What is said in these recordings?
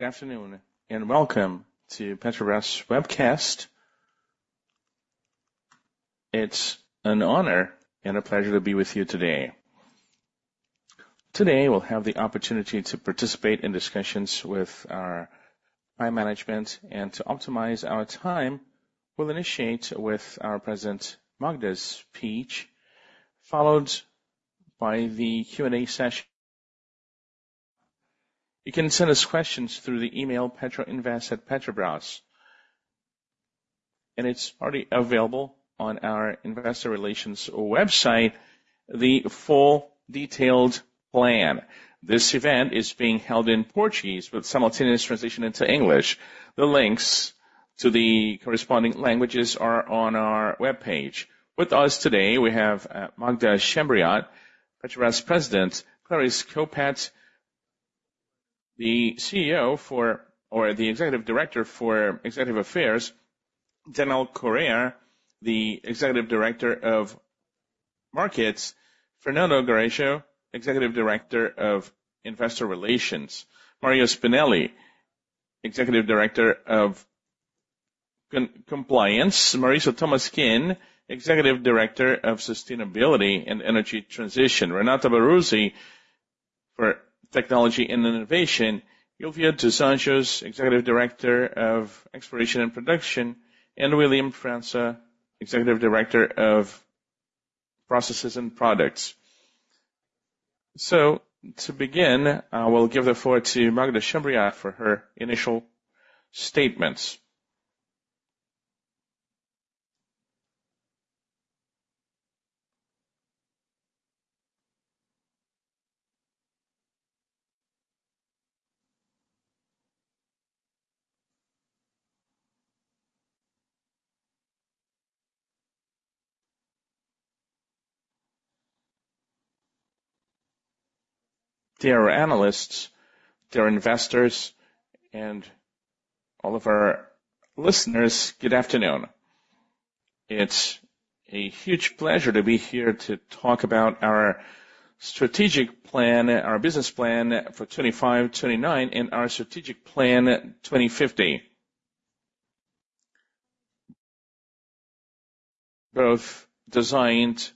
Good afternoon and Welcome to Petrobras Webcast. It's an honor and a pleasure to be with you today. Today we'll have the opportunity to participate in discussions with our top management and to optimize our time. We'll initiate with our President Magda's speech, followed by the Q&A session. You can send us questions through the email petroinvest@petrobras.com, and it's already available on our investor relations website: the full detailed plan. This event is being held in Portuguese with simultaneous translation into English. The links to the corresponding languages are on our web page. With us today, we have Magda Chambriard, Petrobras President, Clarice Coppetti, the CEO for, or the Executive Director for Corporate Affairs, Daniel Correia, the Executive Director of Markets, Fernando Melgarejo, Executive Director of Investor Relations, Mario Spinelli, Executive Director of Compliance, Maurício Tolmasquim, Executive Director of Sustainability and Energy Transition, Renata Baruzzi for Technology and Innovation, Sylvia dos Anjos, Executive Director of Exploration and Production, and William França, Executive Director of Processes and Products. To begin, I will give the floor to Magda Chambriard for her initial statements. Dear analysts, dear investors, and all of our listeners, good afternoon. It's a huge pleasure to be here to talk about our strategic plan, our business plan for 2025-2029, and our strategic plan 2050. Both designed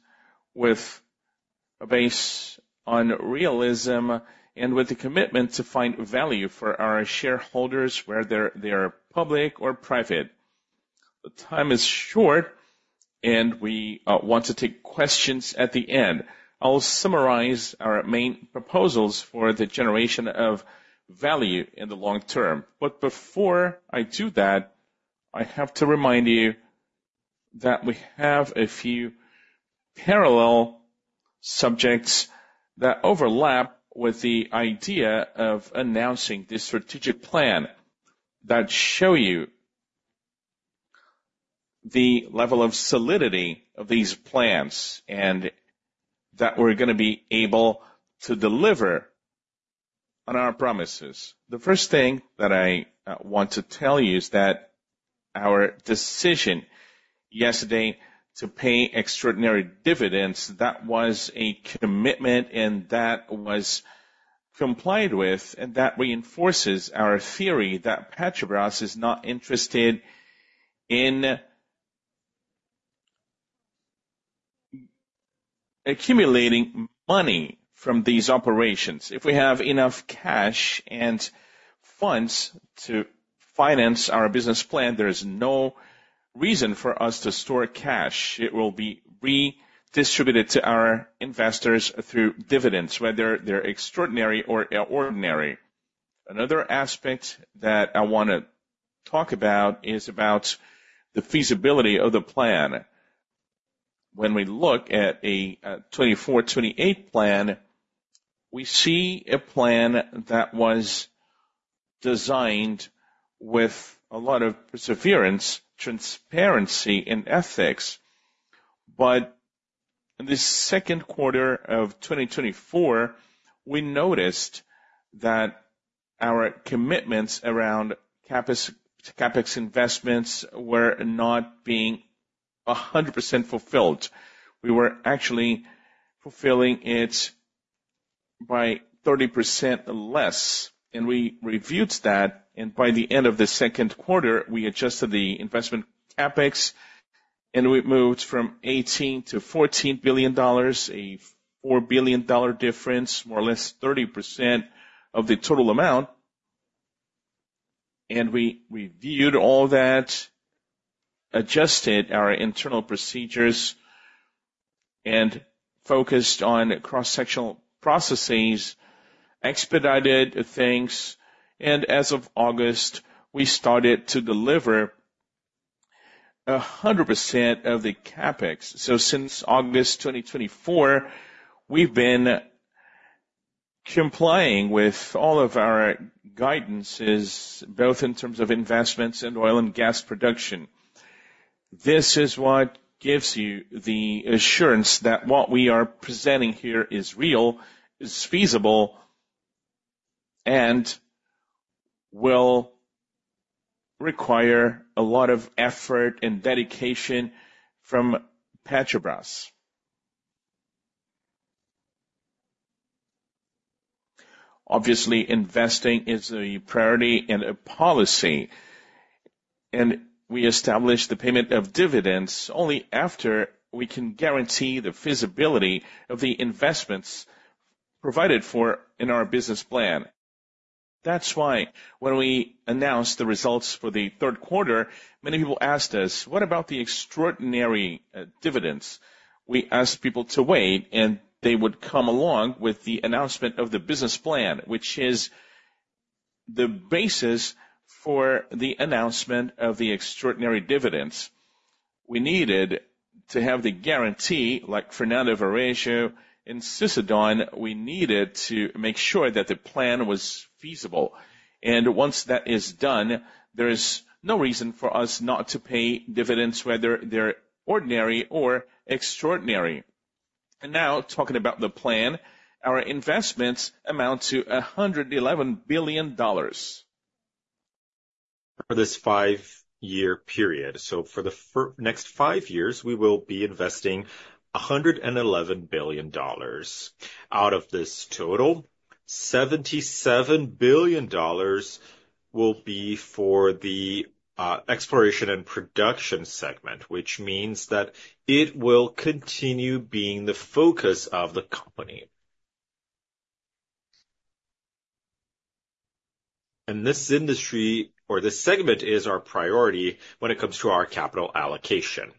based on realism and with the commitment to find value for our shareholders, whether they're public or private. The time is short, and we want to take questions at the end. I'll summarize our main proposals for the generation of value in the long term. But before I do that, I have to remind you that we have a few parallel subjects that overlap with the idea of announcing this strategic plan that show you the level of solidity of these plans and that we're going to be able to deliver on our promises. The first thing that I want to tell you is that our decision yesterday to pay extraordinary dividends, that was a commitment and that was complied with, and that reinforces our theory that Petrobras is not interested in accumulating money from these operations. If we have enough cash and funds to finance our business plan, there is no reason for us to store cash. It will be redistributed to our investors through dividends, whether they're extraordinary or ordinary. Another aspect that I want to talk about is about the feasibility of the plan. When we look at a 2428 plan, we see a plan that was designed with a lot of perseverance, transparency, and ethics, but in the second quarter of 2024, we noticed that our commitments around CapEx investments were not being 100% fulfilled. We were actually fulfilling it by 30% less, and we reviewed that, and by the end of the second quarter, we adjusted the investment CapEx, and we moved from $18 billion to $14 billion, a $4 billion difference, more or less 30% of the total amount. And we reviewed all that, adjusted our internal procedures, and focused on cross-sectional processes, expedited things, and as of August, we started to deliver 100% of the CapEx. Since August 2024, we've been complying with all of our guidance, both in terms of investments and oil and gas production. This is what gives you the assurance that what we are presenting here is real, is feasible, and will require a lot of effort and dedication from Petrobras. Obviously, investing is a priority and a policy, and we established the payment of dividends only after we can guarantee the feasibility of the investments provided for in our business plan. That's why when we announced the results for the third quarter, many people asked us, "What about the extraordinary dividends?" We asked people to wait, and they would come along with the announcement of the business plan, which is the basis for the announcement of the extraordinary dividends. We needed to have the guarantee, like Fernando Melgarejo and insisted on. We needed to make sure that the plan was feasible. Once that is done, there is no reason for us not to pay dividends, whether they're ordinary or extraordinary. Now talking about the plan, our investments amount to $111 billion for this five-year period. For the next five years, we will be investing $111 billion. Out of this total, $77 billion will be for the exploration and production segment, which means that it will continue being the focus of the company. This industry, or this segment, is our priority when it comes to our capital allocation.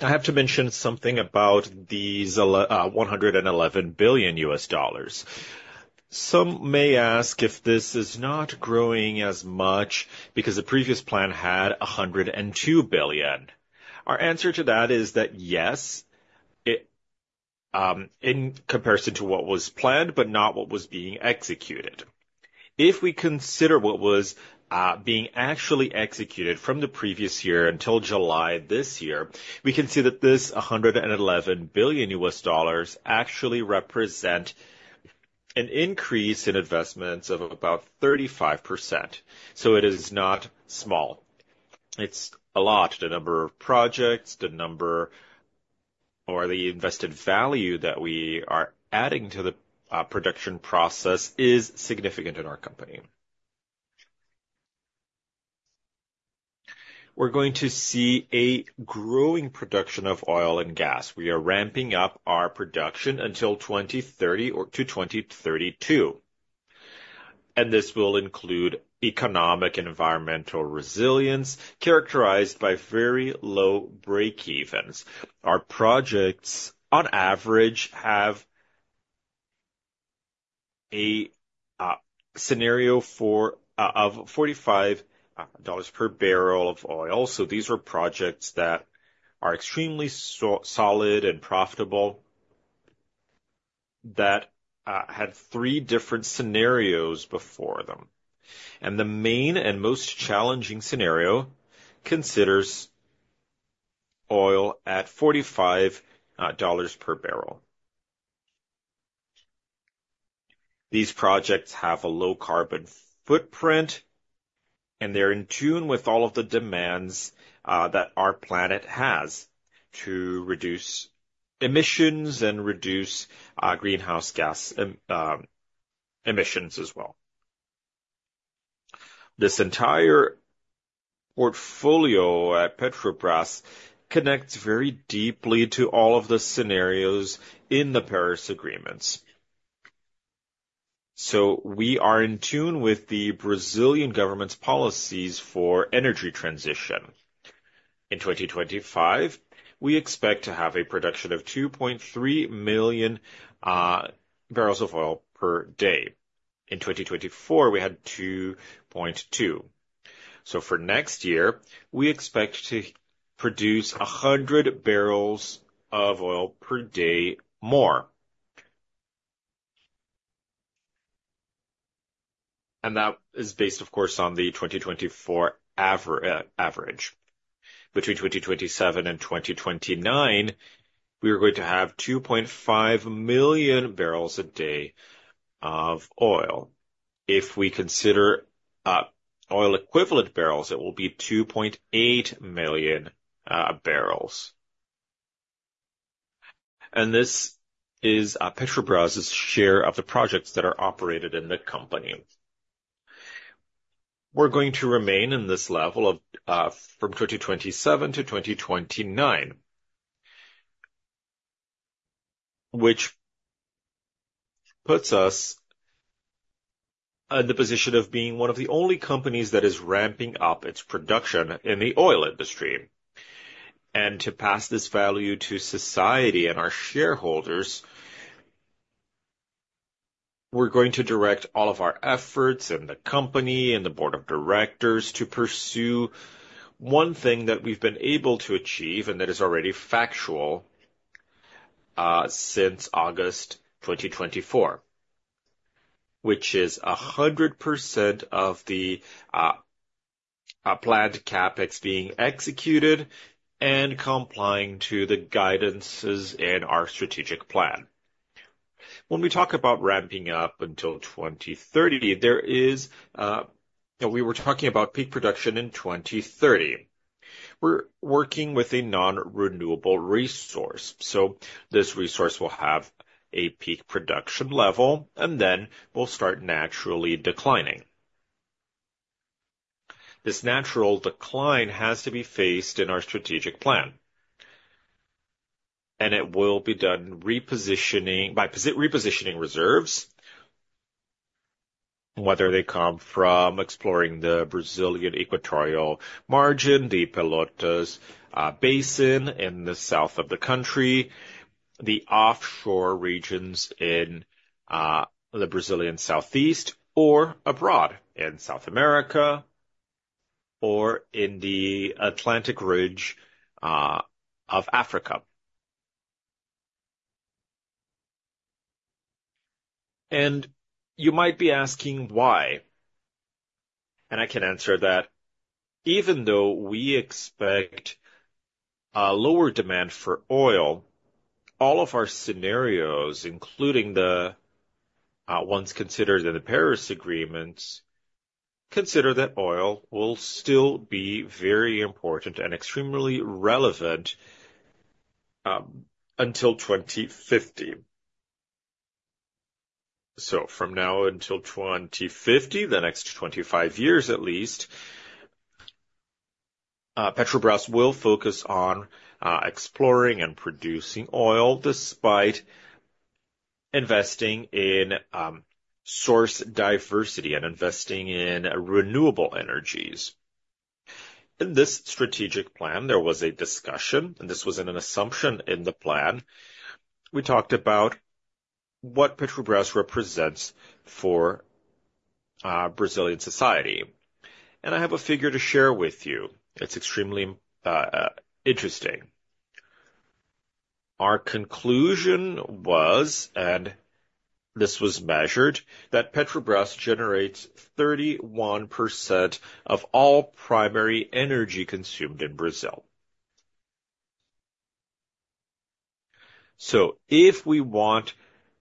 I have to mention something about these $111 billion. Some may ask if this is not growing as much because the previous plan had $102 billion. Our answer to that is that yes, in comparison to what was planned, but not what was being executed. If we consider what was being actually executed from the previous year until July this year, we can see that this $111 billion actually represents an increase in investments of about 35%. So it is not small. It's a lot. The number of projects, the number, or the invested value that we are adding to the production process is significant in our company. We're going to see a growing production of oil and gas. We are ramping up our production until 2030 or to 2032. And this will include economic and environmental resilience characterized by very low breakevens. Our projects, on average, have a scenario of $45 per barrel of oil. So these are projects that are extremely solid and profitable that had three different scenarios before them. And the main and most challenging scenario considers oil at $45 per barrel. These projects have a low carbon footprint, and they're in tune with all of the demands that our planet has to reduce emissions and reduce greenhouse gas emissions as well. This entire portfolio at Petrobras connects very deeply to all of the scenarios in the Paris Agreements. So we are in tune with the Brazilian government's policies for energy transition. In 2025, we expect to have a production of 2.3 million bbl of oil per day. In 2024, we had 2.2. So for next year, we expect to produce 100 barrels of oil per day more. And that is based, of course, on the 2024 average. Between 2027 and 2029, we are going to have 2.5 million bbl a day of oil. If we consider oil-equivalent barrels, it will be 2.8 million bbl. And this is Petrobras's share of the projects that are operated in the company. We're going to remain in this level from 2027 to 2029, which puts us in the position of being one of the only companies that is ramping up its production in the oil industry, and to pass this value to society and our shareholders, we're going to direct all of our efforts and the company and the board of directors to pursue one thing that we've been able to achieve and that is already factual since August 2024, which is 100% of the planned CapEx being executed and complying to the guidance in our strategic plan. When we talk about ramping up until 2030, we were talking about peak production in 2030. We're working with a non-renewable resource, so this resource will have a peak production level, and then we'll start naturally declining. This natural decline has to be faced in our strategic plan. It will be done by repositioning reserves, whether they come from exploring the Brazilian equatorial margin, the Pelotas Basin in the south of the country, the offshore regions in the Brazilian southeast, or abroad in South America or in the Atlantic Margin of Africa. You might be asking why. I can answer that even though we expect lower demand for oil, all of our scenarios, including the ones considered in the Paris Agreements, consider that oil will still be very important and extremely relevant until 2050. From now until 2050, the next 25 years at least, Petrobras will focus on exploring and producing oil despite investing in source diversity and investing in renewable energies. In this strategic plan, there was a discussion, and this was an assumption in the plan. We talked about what Petrobras represents for Brazilian society. I have a figure to share with you. It's extremely interesting. Our conclusion was, and this was measured, that Petrobras generates 31% of all primary energy consumed in Brazil. If we want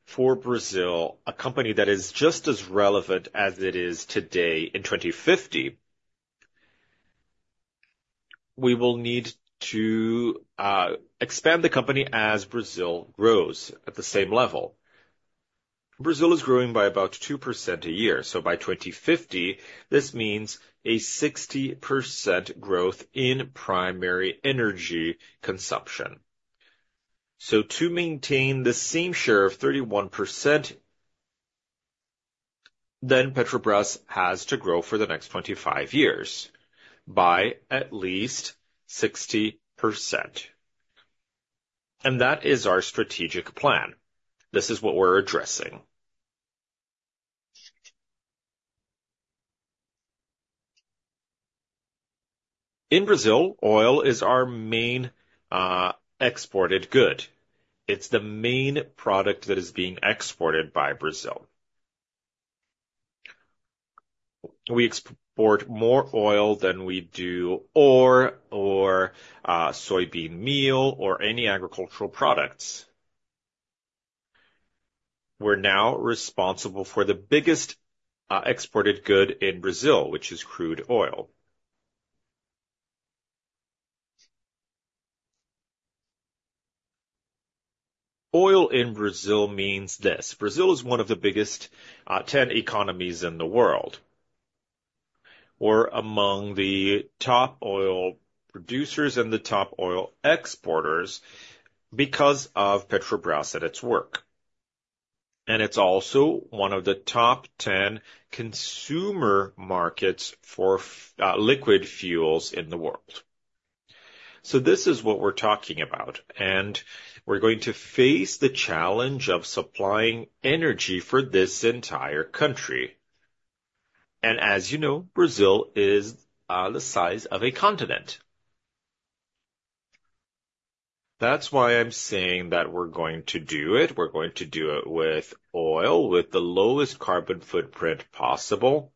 for Brazil a company that is just as relevant as it is today in 2050, we will need to expand the company as Brazil grows at the same level. Brazil is growing by about 2% a year. By 2050, this means a 60% growth in primary energy consumption. To maintain the same share of 31%, then Petrobras has to grow for the next 25 years by at least 60%. That is our strategic plan. This is what we're addressing. In Brazil, oil is our main exported good. It's the main product that is being exported by Brazil. We export more oil than we do or soybean meal or any agricultural products. We're now responsible for the biggest exported good in Brazil, which is crude oil. Oil in Brazil means this. Brazil is one of the biggest 10 economies in the world or among the top oil producers and the top oil exporters because of Petrobras and its work. It's also one of the top 10 consumer markets for liquid fuels in the world. This is what we're talking about. We're going to face the challenge of supplying energy for this entire country. As you know, Brazil is the size of a continent. That's why I'm saying that we're going to do it. We're going to do it with oil, with the lowest carbon footprint possible,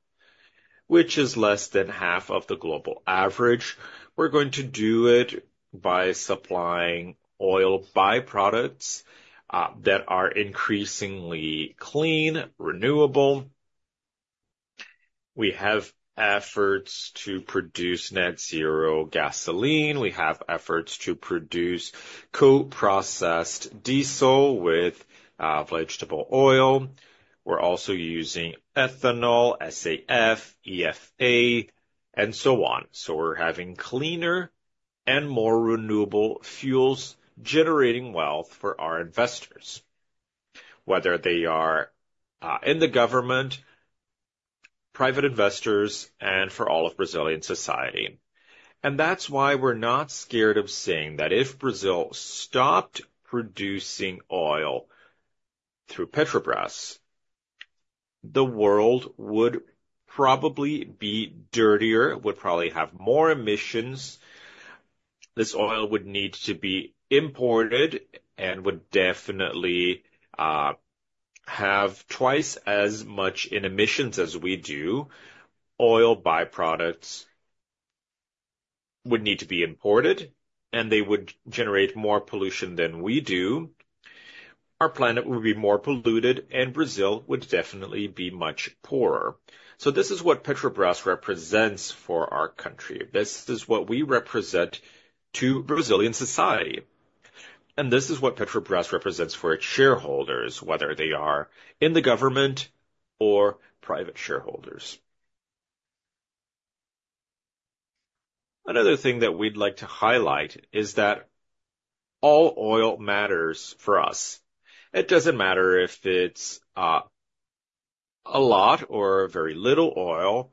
which is less than half of the global average. We're going to do it by supplying oil byproducts that are increasingly clean, renewable. We have efforts to produce net zero gasoline. We have efforts to produce co-processed diesel with vegetable oil. We're also using ethanol, SAF, HEFA, and so on. So we're having cleaner and more renewable fuels generating wealth for our investors, whether they are in the government, private investors, and for all of Brazilian society. And that's why we're not scared of saying that if Brazil stopped producing oil through Petrobras, the world would probably be dirtier, would probably have more emissions. This oil would need to be imported and would definitely have twice as much in emissions as we do. Oil byproducts would need to be imported, and they would generate more pollution than we do. Our planet would be more polluted, and Brazil would definitely be much poorer. So this is what Petrobras represents for our country. This is what we represent to Brazilian society. This is what Petrobras represents for its shareholders, whether they are in the government or private shareholders. Another thing that we'd like to highlight is that all oil matters for us. It doesn't matter if it's a lot or very little oil.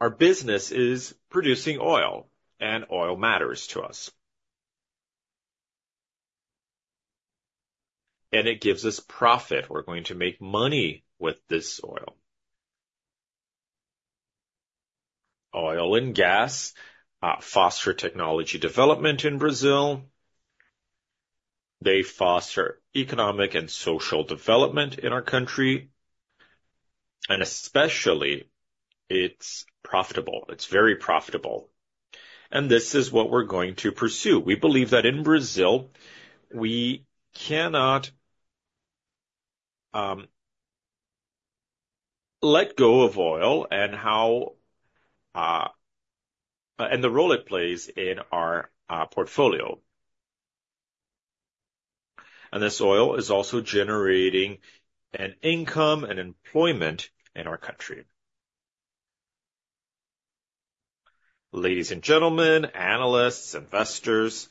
Our business is producing oil, and oil matters to us. It gives us profit. We're going to make money with this oil. Oil and gas foster technology development in Brazil. They foster economic and social development in our country. Especially, it's profitable. It's very profitable. This is what we're going to pursue. We believe that in Brazil, we cannot let go of oil and the role it plays in our portfolio. This oil is also generating an income and employment in our country. Ladies and gentlemen, analysts, investors,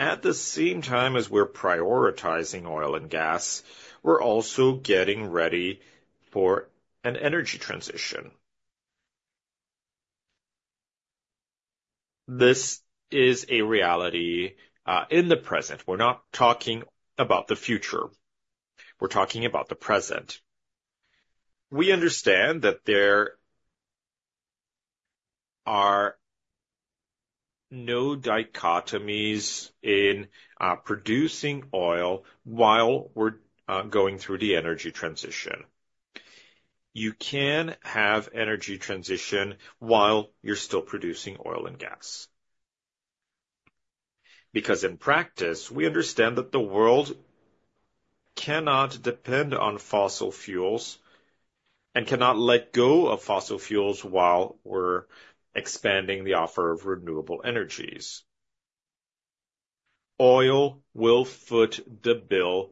at the same time as we're prioritizing oil and gas, we're also getting ready for an energy transition. This is a reality in the present. We're not talking about the future. We're talking about the present. We understand that there are no dichotomies in producing oil while we're going through the energy transition. You can have energy transition while you're still producing oil and gas. Because in practice, we understand that the world cannot depend on fossil fuels and cannot let go of fossil fuels while we're expanding the offer of renewable energies. Oil will foot the bill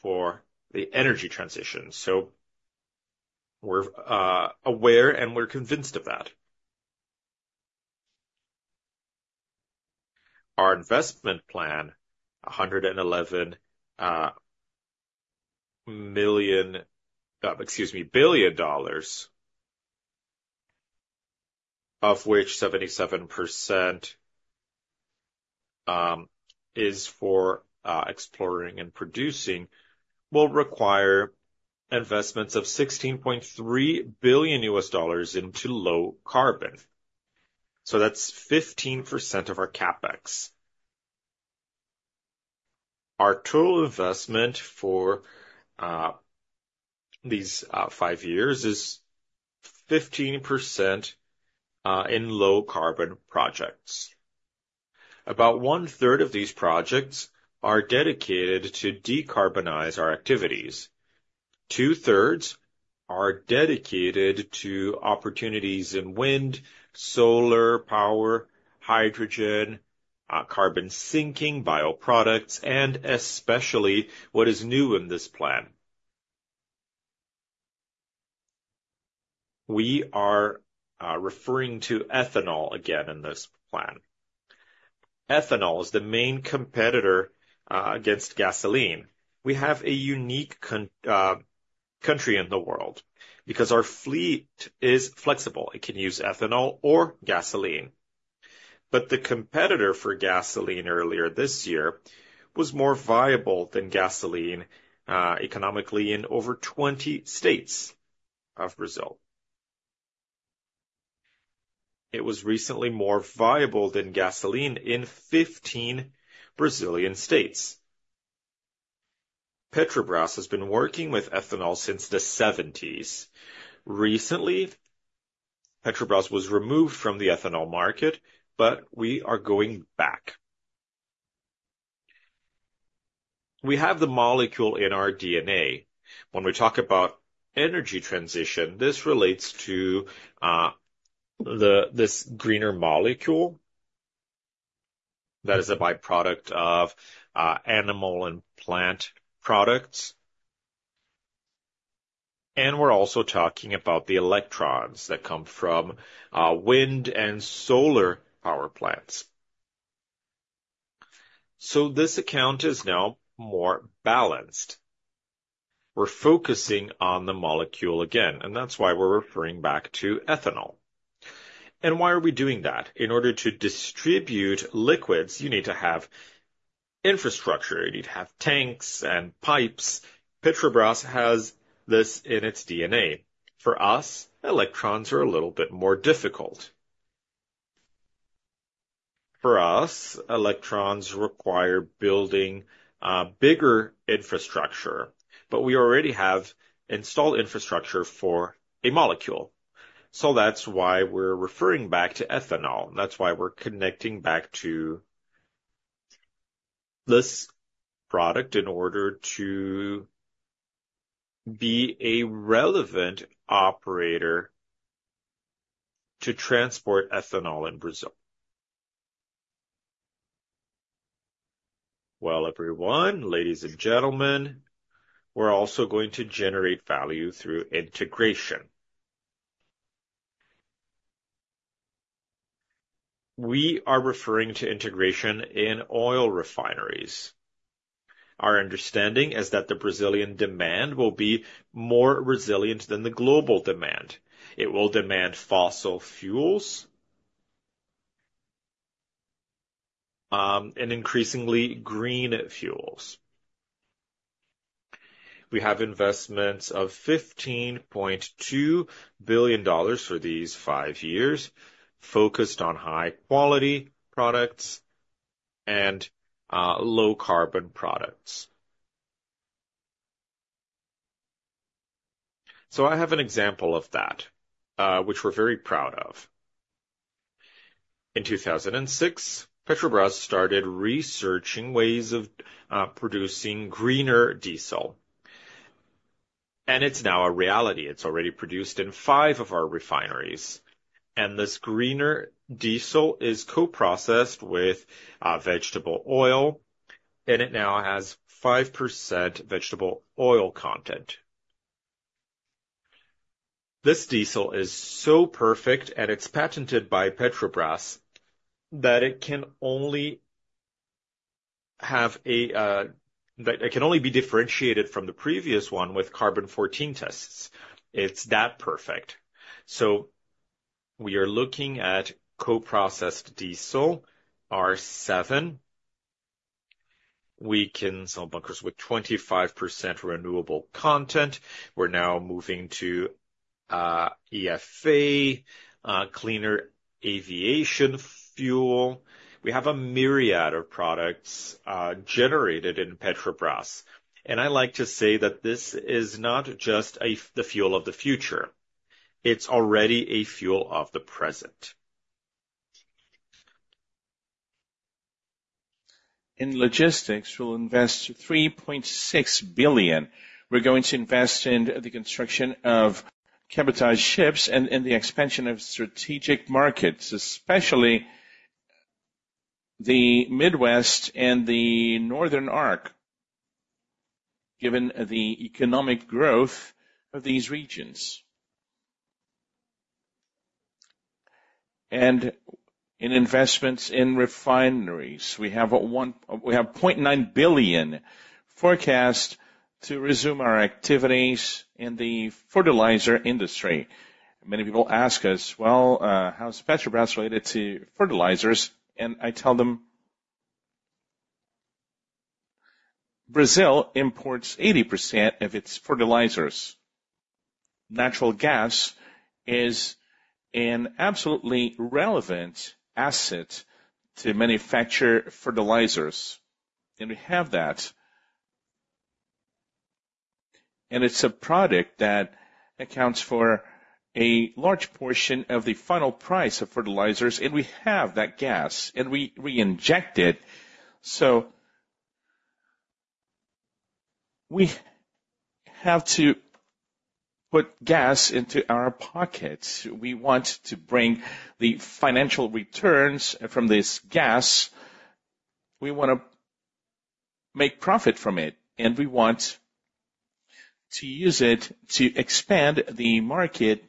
for the energy transition. So we're aware and we're convinced of that. Our investment plan, $111 million, excuse me, $111 billion, of which 77% is for exploring and producing, will require investments of $16.3 billion into low carbon. So that's 15% of our CapEx. Our total investment for these five years is 15% in low carbon projects. About one-third of these projects are dedicated to decarbonize our activities. Two-thirds are dedicated to opportunities in wind, solar power, hydrogen, carbon sinking, bioproducts, and especially what is new in this plan. We are referring to ethanol again in this plan. Ethanol is the main competitor against gasoline. We have a unique country in the world because our fleet is flexible. It can use ethanol or gasoline. But the competitor for gasoline earlier this year was more viable than gasoline economically in over 20 states of Brazil. It was recently more viable than gasoline in 15 Brazilian states. Petrobras has been working with ethanol since the 1970s. Recently, Petrobras was removed from the ethanol market, but we are going back. We have the molecule in our DNA. When we talk about energy transition, this relates to this greener molecule that is a byproduct of animal and plant products. And we're also talking about the electrons that come from wind and solar power plants. So this account is now more balanced. We're focusing on the molecule again, and that's why we're referring back to ethanol. And why are we doing that? In order to distribute liquids, you need to have infrastructure. You need to have tanks and pipes. Petrobras has this in its DNA. For us, electrons are a little bit more difficult. For us, electrons require building bigger infrastructure, but we already have installed infrastructure for a molecule. So that's why we're referring back to ethanol. That's why we're connecting back to this product in order to be a relevant operator to transport ethanol in Brazil. Everyone, ladies and gentlemen, we're also going to generate value through integration. We are referring to integration in oil refineries. Our understanding is that the Brazilian demand will be more resilient than the global demand. It will demand fossil fuels and increasingly green fuels. We have investments of $15.2 billion for these five years focused on high-quality products and low-carbon products. I have an example of that, which we're very proud of. In 2006, Petrobras started researching ways of producing greener diesel. It's now a reality. It's already produced in five of our refineries. This greener diesel is co-processed with vegetable oil, and it now has 5% vegetable oil content. This diesel is so perfect, and it's patented by Petrobras that it can only be differentiated from the previous one with carbon-14 tests. It's that perfect. So we are looking at co-processed Diesel R5. We can sell bunkers with 25% renewable content. We're now moving to HEFA, cleaner aviation fuel. We have a myriad of products generated in Petrobras. And I like to say that this is not just the fuel of the future. It's already a fuel of the present. In logistics, we'll invest 3.6 billion bbl. We're going to invest in the construction of cabotage ships and in the expansion of strategic markets, especially the Midwest and the Northern Arc, given the economic growth of these regions. And in investments in refineries, we have 0.9 billion bbl forecast to resume our activities in the fertilizer industry. Many people ask us, "Well, how's Petrobras related to fertilizers?" And I tell them, "Brazil imports 80% of its fertilizers. Natural gas is an absolutely relevant asset to manufacture fertilizers." And we have that. It's a product that accounts for a large portion of the final price of fertilizers. We have that gas, and we inject it. We have to put gas into our pockets. We want to bring the financial returns from this gas. We want to make profit from it, and we want to use it to expand the market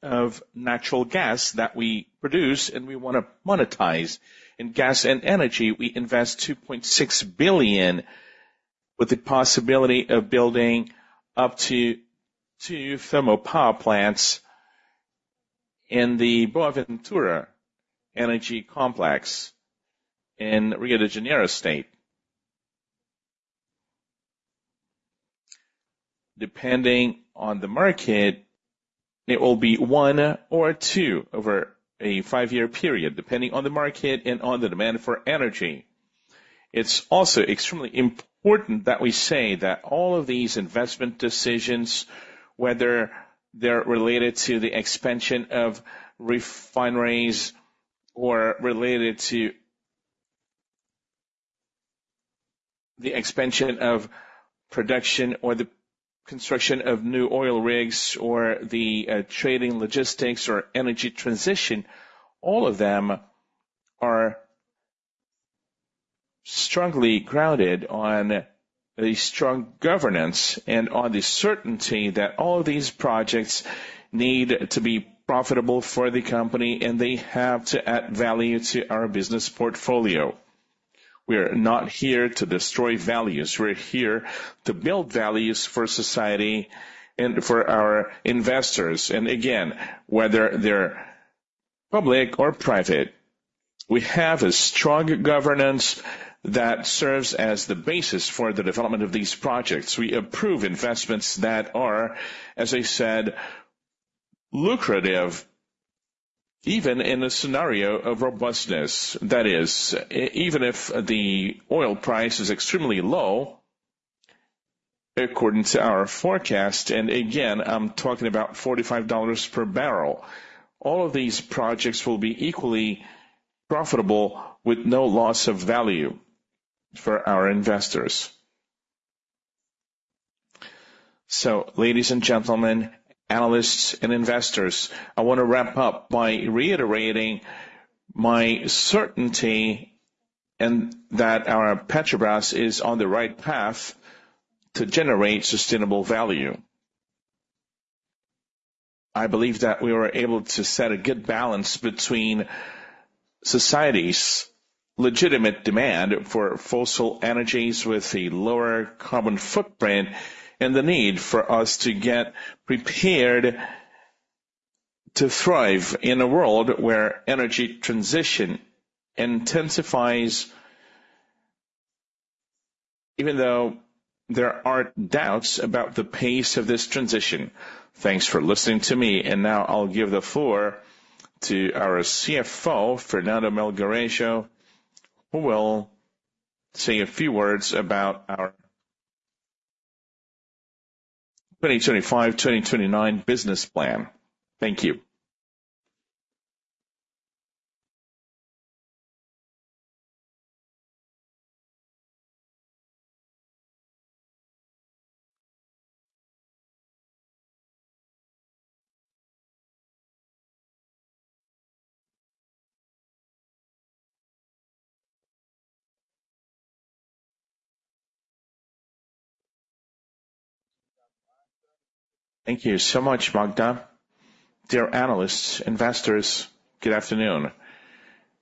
of natural gas that we produce, and we want to monetize. In gas and energy, we invest 2.6 billion bbl with the possibility of building up to two thermal power plants in the Boaventura Energy Complex in Rio de Janeiro State. Depending on the market, it will be one or two over a five-year period, depending on the market and on the demand for energy. It's also extremely important that we say that all of these investment decisions, whether they're related to the expansion of refineries or related to the expansion of production or the construction of new oil rigs or the trading logistics or energy transition, all of them are strongly grounded on a strong governance and on the certainty that all of these projects need to be profitable for the company, and they have to add value to our business portfolio. We are not here to destroy values. We're here to build values for society and for our investors. And again, whether they're public or private, we have a strong governance that serves as the basis for the development of these projects. We approve investments that are, as I said, lucrative, even in a scenario of robustness. That is, even if the oil price is extremely low, according to our forecast, and again, I'm talking about $45 per barrel, all of these projects will be equally profitable with no loss of value for our investors. So, ladies and gentlemen, analysts and investors, I want to wrap up by reiterating my certainty that our Petrobras is on the right path to generate sustainable value. I believe that we were able to set a good balance between society's legitimate demand for fossil energies with a lower carbon footprint and the need for us to get prepared to thrive in a world where energy transition intensifies, even though there are doubts about the pace of this transition. Thanks for listening to me. And now I'll give the floor to our CFO, Fernando Melgarejo, who will say a few words about our 2025-2029 business plan. Thank you. Thank you so much, Magda. Dear analysts, investors, good afternoon.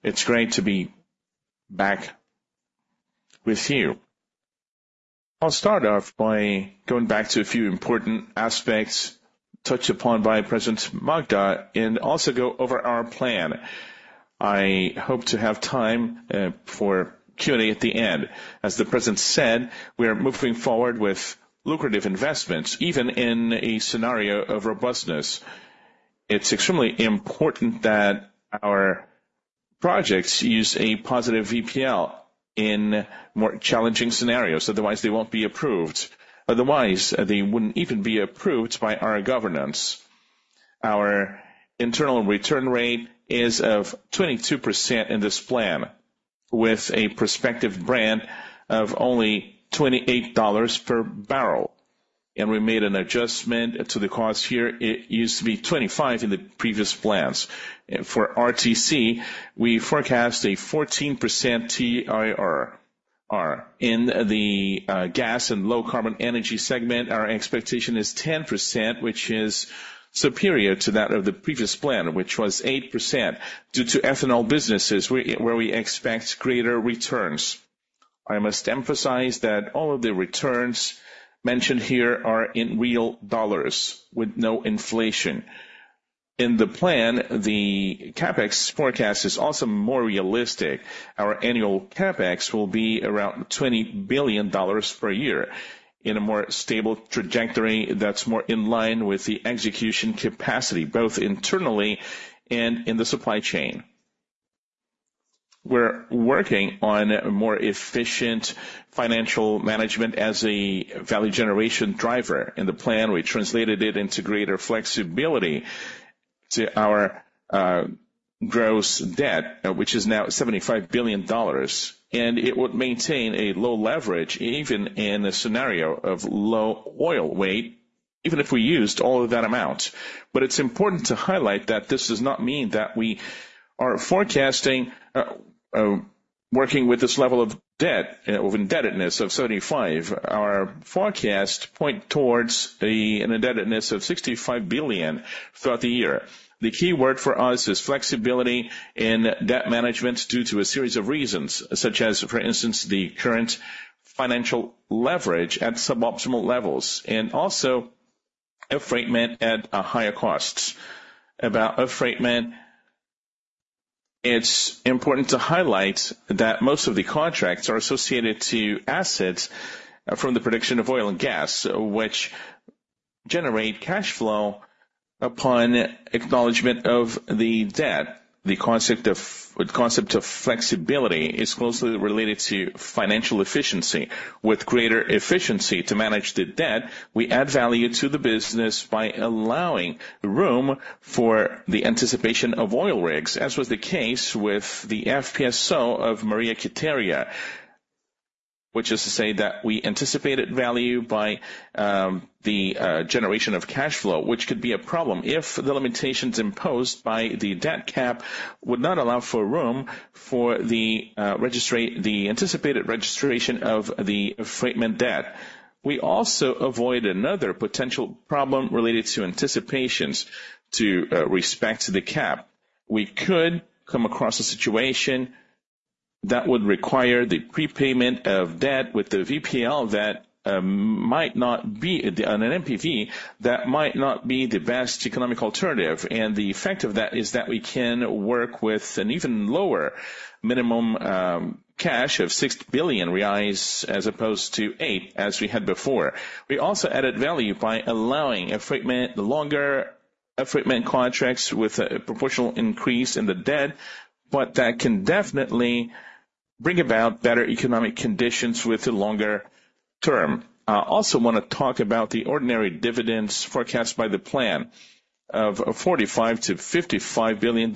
It's great to be back with you. I'll start off by going back to a few important aspects touched upon by President Magda and also go over our plan. I hope to have time for Q&A at the end. As the president said, we are moving forward with lucrative investments, even in a scenario of robustness. It's extremely important that our projects use a positive NPV in more challenging scenarios. Otherwise, they won't be approved. Otherwise, they wouldn't even be approved by our governance. Our internal return rate is of 22% in this plan, with a prospective Brent of only $28 per barrel. And we made an adjustment to the cost here. It used to be $25 in the previous plans. For RTM, we forecast a 14% IRR. In the gas and low carbon energy segment, our expectation is 10%, which is superior to that of the previous plan, which was 8% due to ethanol businesses, where we expect greater returns. I must emphasize that all of the returns mentioned here are in real dollars with no inflation. In the plan, the CapEx forecast is also more realistic. Our annual CapEx will be around $20 billion per year in a more stable trajectory that's more in line with the execution capacity, both internally and in the supply chain. We're working on more efficient financial management as a value generation driver in the plan. We translated it into greater flexibility to our gross debt, which is now $75 billion. And it would maintain a low leverage even in a scenario of low oil weight, even if we used all of that amount. It's important to highlight that this does not mean that we are forecasting working with this level of debt or indebtedness of 75. Our forecast points towards an indebtedness of 65 billion bbl throughout the year. The key word for us is flexibility in debt management due to a series of reasons, such as, for instance, the current financial leverage at suboptimal levels and also freight at higher costs. About freight management, it's important to highlight that most of the contracts are associated to assets from the production of oil and gas, which generate cash flow upon acknowledgment of the debt. The concept of flexibility is closely related to financial efficiency. With greater efficiency to manage the debt, we add value to the business by allowing room for the anticipation of oil rigs, as was the case with the FPSO of Maria Quitéria, which is to say that we anticipated value by the generation of cash flow, which could be a problem if the limitations imposed by the debt cap would not allow for room for the anticipated registration of the amortized debt. We also avoid another potential problem related to anticipations to respect the cap. We could come across a situation that would require the prepayment of debt with the VPL that might not be an NPV that might not be the best economic alternative. The effect of that is that we can work with an even lower minimum cash of 6 billion bbl as opposed to 8 billion bbl as we had before. We also added value by allowing affreightment, longer affreightment contracts with a proportional increase in the debt, but that can definitely bring about better economic conditions with a longer term. I also want to talk about the ordinary dividends forecast by the plan of $45-$55 billion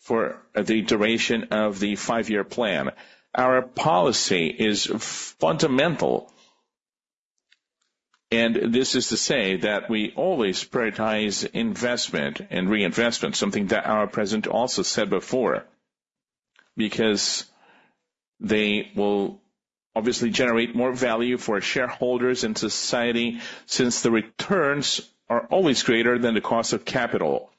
for the duration of the five-year plan. Our policy is fundamental and this is to say that we always prioritize investment and reinvestment, something that our president also said before, because they will obviously generate more value for shareholders and society since the returns are always greater than the cost of capital.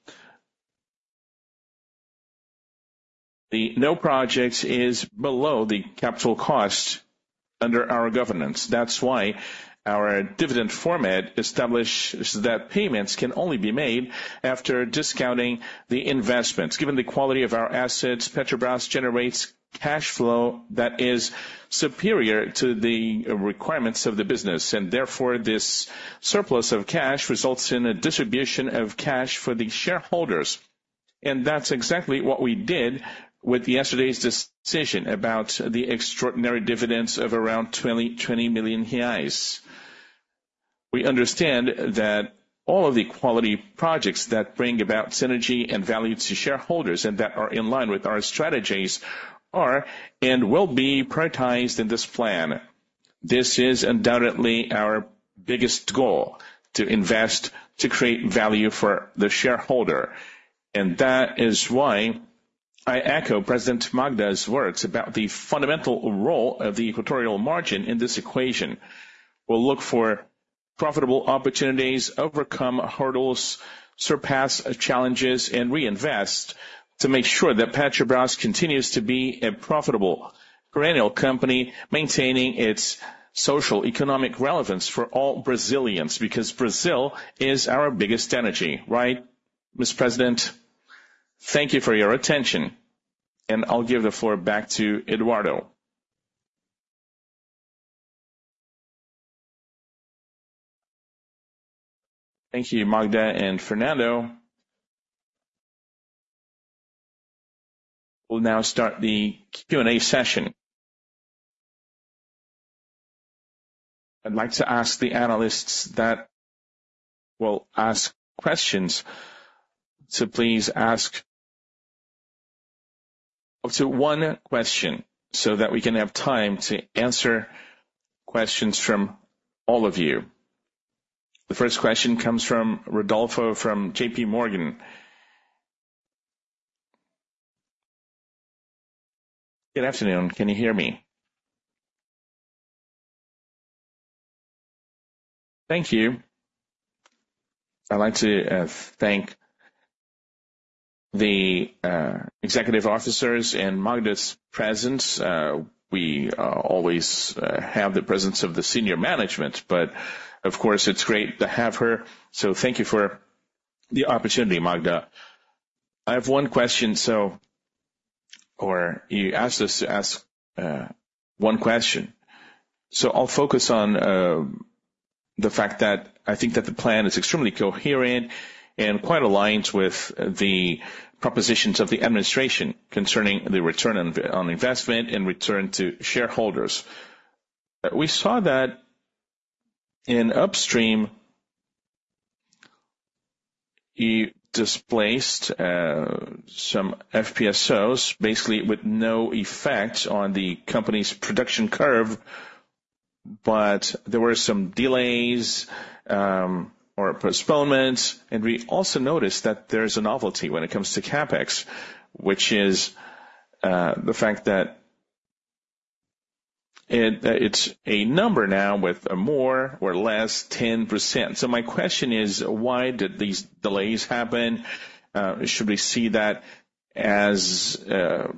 No project is below the capital cost under our governance. That's why our dividend format establishes that payments can only be made after discounting the investments. Given the quality of our assets, Petrobras generates cash flow that is superior to the requirements of the business. Therefore, this surplus of cash results in a distribution of cash for the shareholders. That's exactly what we did with yesterday's decision about the extraordinary dividends of around 20 million bbl. We understand that all of the quality projects that bring about synergy and value to shareholders and that are in line with our strategies are and will be prioritized in this plan. This is undoubtedly our biggest goal to invest to create value for the shareholder. That is why I echo President Magda's words about the fundamental role of the equatorial margin in this equation. We'll look for profitable opportunities, overcome hurdles, surpass challenges, and reinvest to make sure that Petrobras continues to be a profitable perennial company, maintaining its socio-economic relevance for all Brazilians because Brazil is our biggest energy. Right, Mr. President? Thank you for your attention. I'll give the floor back to Eduardo. Thank you, Magda and Fernando. We'll now start the Q&A session. I'd like to ask the analysts that will ask questions. So please ask up to one question so that we can have time to answer questions from all of you. The first question comes from Rodolfo from JP Morgan. Good afternoon. Can you hear me? Thank you. I'd like to thank the executive officers and Magda's presence. We always have the presence of the senior management, but of course, it's great to have her. So thank you for the opportunity, Magda. I have one question, or you asked us to ask one question. So I'll focus on the fact that I think that the plan is extremely coherent and quite aligned with the propositions of the administration concerning the return on investment and return to shareholders. We saw that in upstream, you displaced some FPSOs basically with no effect on the company's production curve, but there were some delays or postponements, and we also noticed that there's a novelty when it comes to CapEx, which is the fact that it's a number now with more or less 10%, so my question is, why did these delays happen? Should we see that as, no,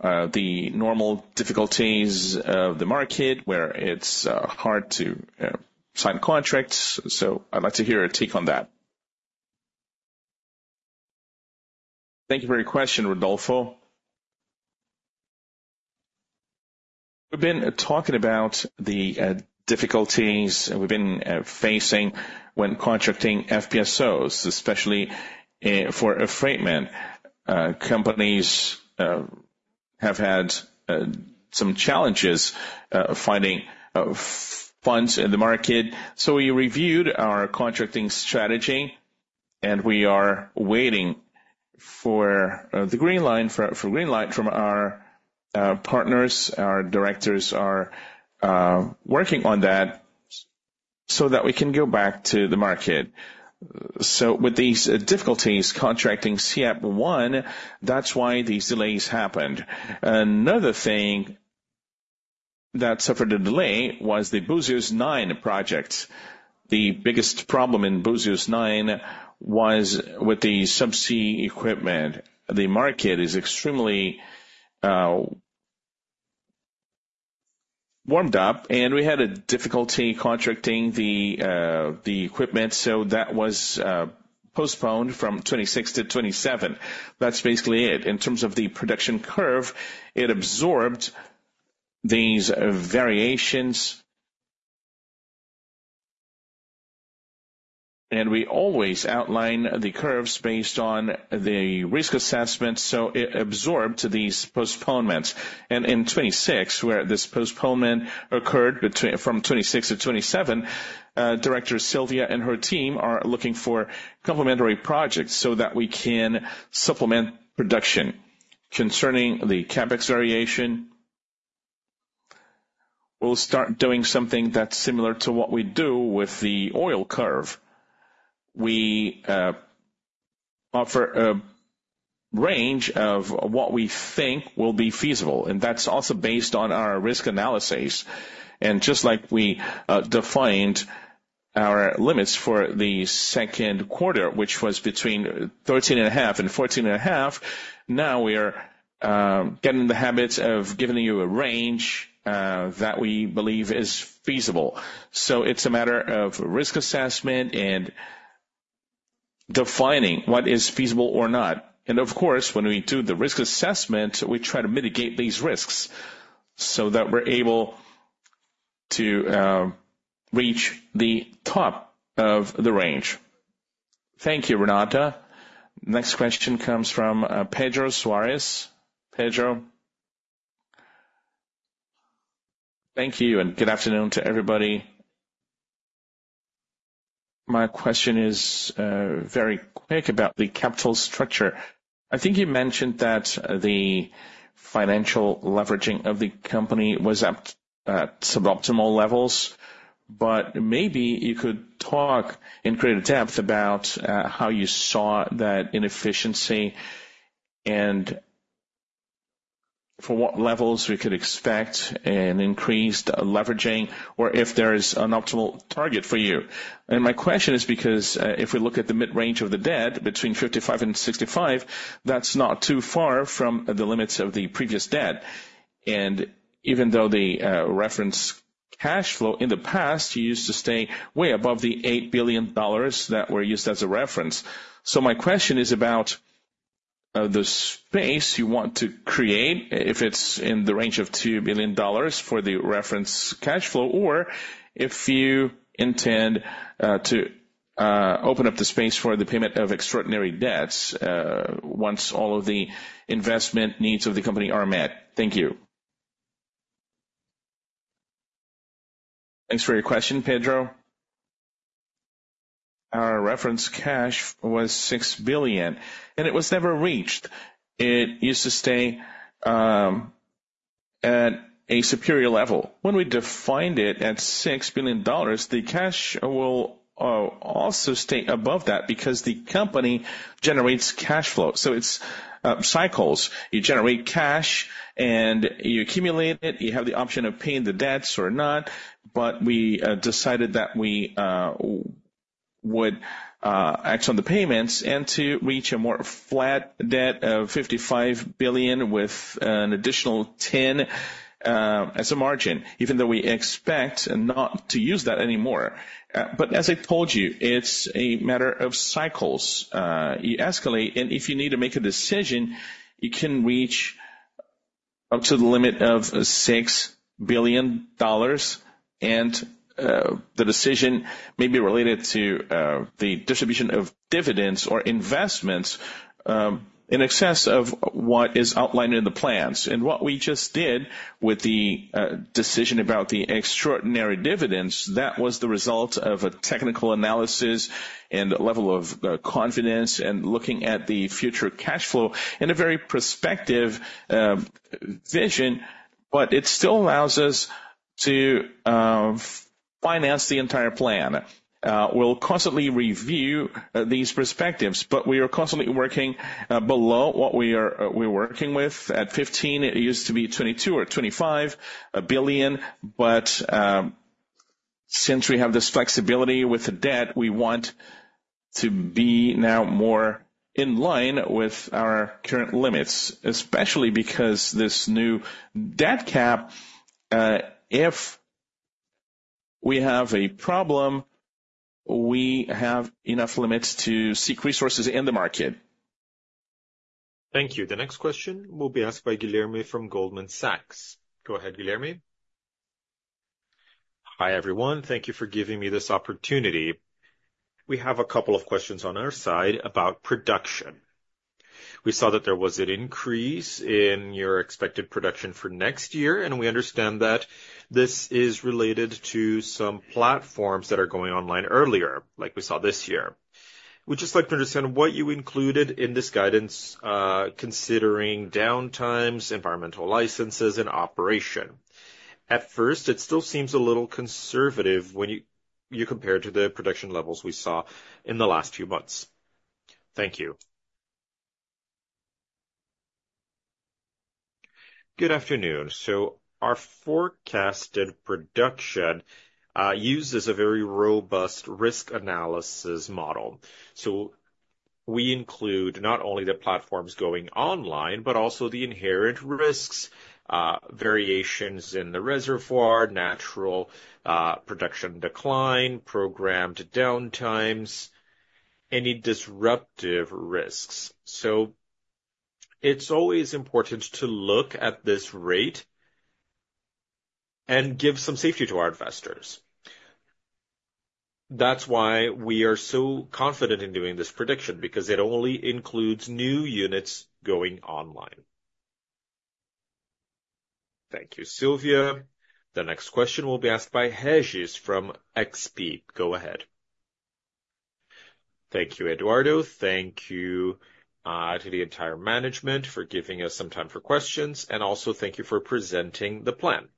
the normal difficulties of the market where it's hard to sign contracts? So I'd like to hear a take on that. Thank you for your question, Rodolfo. We've been talking about the difficulties we've been facing when contracting FPSOs, especially for Albacora. Companies have had some challenges finding funds in the market, so we reviewed our contracting strategy, and we are waiting for the green light from our partners. Our directors are working on that so that we can go back to the market, so with these difficulties contracting SEAP 1, that's why these delays happened. Another thing that suffered a delay was the Búzios 9 project. The biggest problem in Búzios 9 was with the subsea equipment. The market is extremely warmed up, and we had a difficulty contracting the equipment, so that was postponed from 2026 to 2027. That's basically it. In terms of the production curve, it absorbed these variations, and we always outline the curves based on the risk assessment, so it absorbed these postponements, and in 2026, where this postponement occurred from 2026 to 2027, Director Sylvia and her team are looking for complementary projects so that we can supplement production. Concerning the CapEx variation, we'll start doing something that's similar to what we do with the oil curve. We offer a range of what we think will be feasible, and that's also based on our risk analysis and just like we defined our limits for the second quarter, which was between 13.5 and 14.5, now we're getting the habit of giving you a range that we believe is feasible, so it's a matter of risk assessment and defining what is feasible or not, and of course, when we do the risk assessment, we try to mitigate these risks so that we're able to reach the top of the range. Thank you, Renata. Next question comes from Pedro Soares. Pedro. Thank you and good afternoon to everybody. My question is very quick about the capital structure. I think you mentioned that the financial leveraging of the company was at suboptimal levels, but maybe you could talk in greater depth about how you saw that inefficiency and for what levels we could expect an increased leveraging or if there is an optimal target for you? And my question is because if we look at the mid-range of the debt between 55 and 65, that's not too far from the limits of the previous debt. And even though the reference cash flow in the past used to stay way above the $8 billion that were used as a reference. So my question is about the space you want to create if it's in the range of $2 billion for the reference cash flow or if you intend to open up the space for the payment of extraordinary debts once all of the investment needs of the company are met. Thank you. Thanks for your question, Pedro. Our reference cash was $6 billion, and it was never reached. It used to stay at a superior level. When we defined it at $6 billion, the cash will also stay above that because the company generates cash flow. So it's cycles. You generate cash, and you accumulate it. You have the option of paying the debts or not, but we decided that we would act on the payments and to reach a more flat debt of $55 billion with an additional $10 billion as a margin, even though we expect not to use that anymore. But as I told you, it's a matter of cycles. You escalate, and if you need to make a decision, you can reach up to the limit of $6 billion, and the decision may be related to the distribution of dividends or investments in excess of what is outlined in the plans. And what we just did with the decision about the extraordinary dividends, that was the result of a technical analysis and level of confidence and looking at the future cash flow in a very prospective vision, but it still allows us to finance the entire plan. We'll constantly review these perspectives, but we are constantly working below what we are working with at 15. It used to be 22 or 25 billion, but since we have this flexibility with the debt, we want to be now more in line with our current limits, especially because this new debt cap, if we have a problem, we have enough limits to seek resources in the market. Thank you. The next question will be asked by Guilherme from Goldman Sachs. Go ahead, Guilherme. Hi everyone. Thank you for giving me this opportunity. We have a couple of questions on our side about production. We saw that there was an increase in your expected production for next year, and we understand that this is related to some platforms that are going online earlier, like we saw this year. We'd just like to understand what you included in this guidance considering downtimes, environmental licenses, and operation. At first, it still seems a little conservative when you compare to the production levels we saw in the last few months. Thank you. Good afternoon. So our forecasted production uses a very robust risk analysis model. So we include not only the platforms going online, but also the inherent risks, variations in the reservoir, natural production decline, programmed downtimes, any disruptive risks. So it's always important to look at this rate and give some safety to our investors. That's why we are so confident in doing this prediction because it only includes new units going online. Thank you, Sylvia. The next question will be asked by Regis from XP. Go ahead. Thank you, Eduardo. Thank you to the entire management for giving us some time for questions, and also thank you for presenting the plan.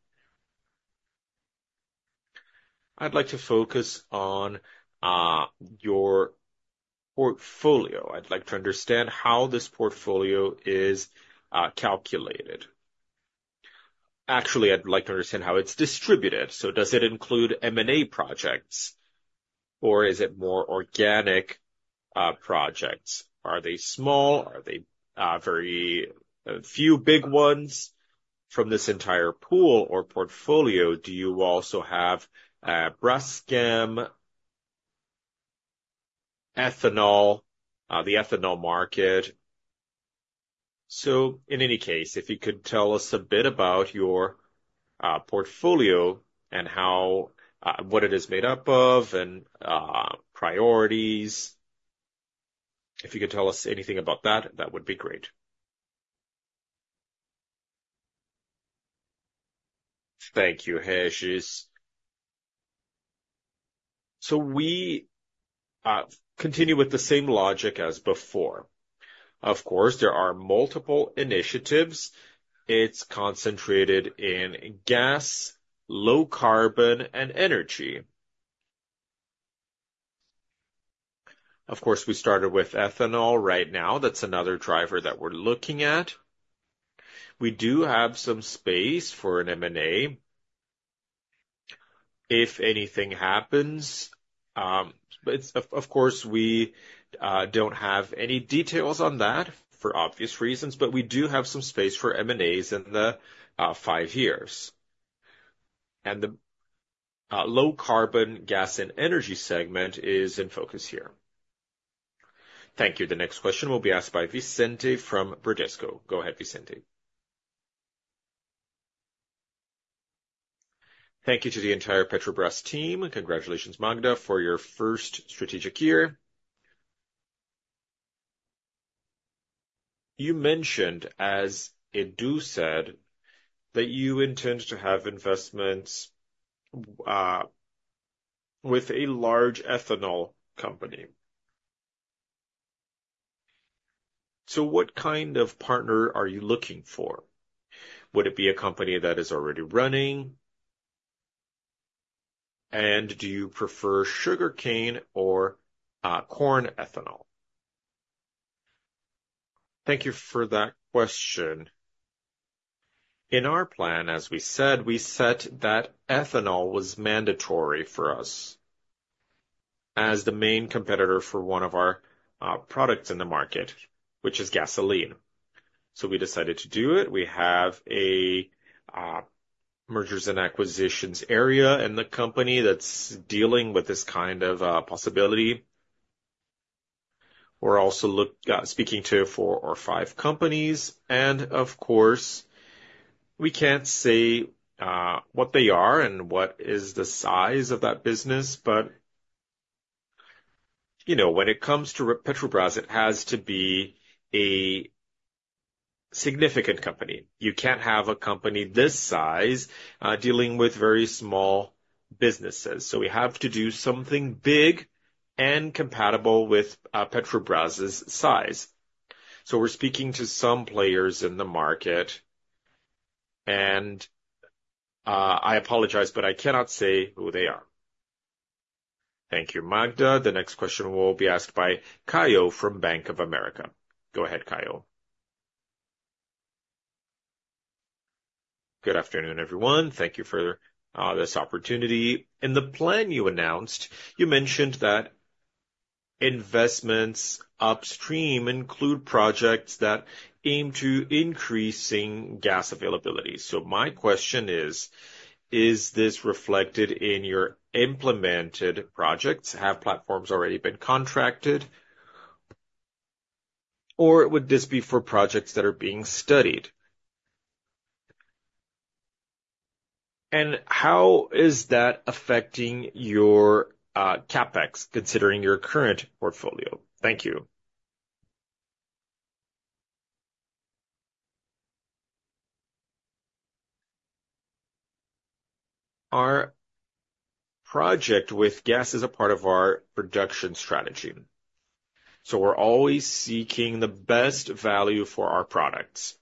I'd like to focus on your portfolio. I'd like to understand how this portfolio is calculated. Actually, I'd like to understand how it's distributed. So does it include M&A projects, or is it more organic projects? Are they small? Are they very few big ones from this entire pool or portfolio? Do you also have Braskem, ethanol, the ethanol market? So in any case, if you could tell us a bit about your portfolio and what it is made up of and priorities. If you could tell us anything about that, that would be great. Thank you, Regis. So we continue with the same logic as before. Of course, there are multiple initiatives. It's concentrated in gas, low carbon, and energy. Of course, we started with ethanol right now. That's another driver that we're looking at. We do have some space for an M&A. If anything happens, of course, we don't have any details on that for obvious reasons, but we do have some space for M&As in the five years, and the low carbon, gas, and energy segment is in focus here. Thank you. The next question will be asked by Vicente from Bradesco. Go ahead, Vicente. Thank you to the entire Petrobras team. Congratulations, Magda, for your first strategic year. You mentioned, as Edu said, that you intend to have investments with a large ethanol company. So what kind of partner are you looking for? Would it be a company that is already running? And do you prefer sugarcane or corn ethanol? Thank you for that question. In our plan, as we said, we set that ethanol was mandatory for us as the main competitor for one of our products in the market, which is gasoline. So we decided to do it. We have a mergers and acquisitions area in the company that's dealing with this kind of possibility. We're also speaking to four or five companies. And of course, we can't say what they are and what is the size of that business, but when it comes to Petrobras, it has to be a significant company. You can't have a company this size dealing with very small businesses. So we have to do something big and compatible with Petrobras's size. So we're speaking to some players in the market, and I apologize, but I cannot say who they are. Thank you, Magda. The next question will be asked by Caio from Bank of America. Go ahead, Caio. Good afternoon, everyone. Thank you for this opportunity. In the plan you announced, you mentioned that investments upstream include projects that aim to increase gas availability. So my question is, is this reflected in your implemented projects? Have platforms already been contracted, or would this be for projects that are being studied? And how is that affecting your CapEx considering your current portfolio? Thank you. Our project with gas is a part of our production strategy. So we're always seeking the best value for our products.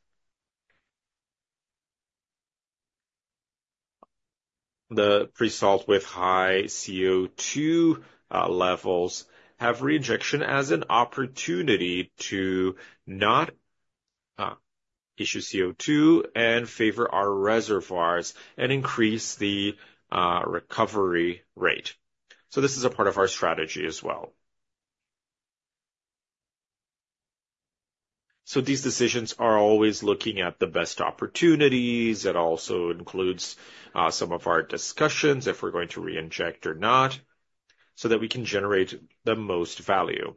The pre-salt with high CO2 levels have reinjection as an opportunity to not issue CO2 and favor our reservoirs and increase the recovery rate. So this is a part of our strategy as well. So these decisions are always looking at the best opportunities. It also includes some of our discussions if we're going to reinject or not so that we can generate the most value.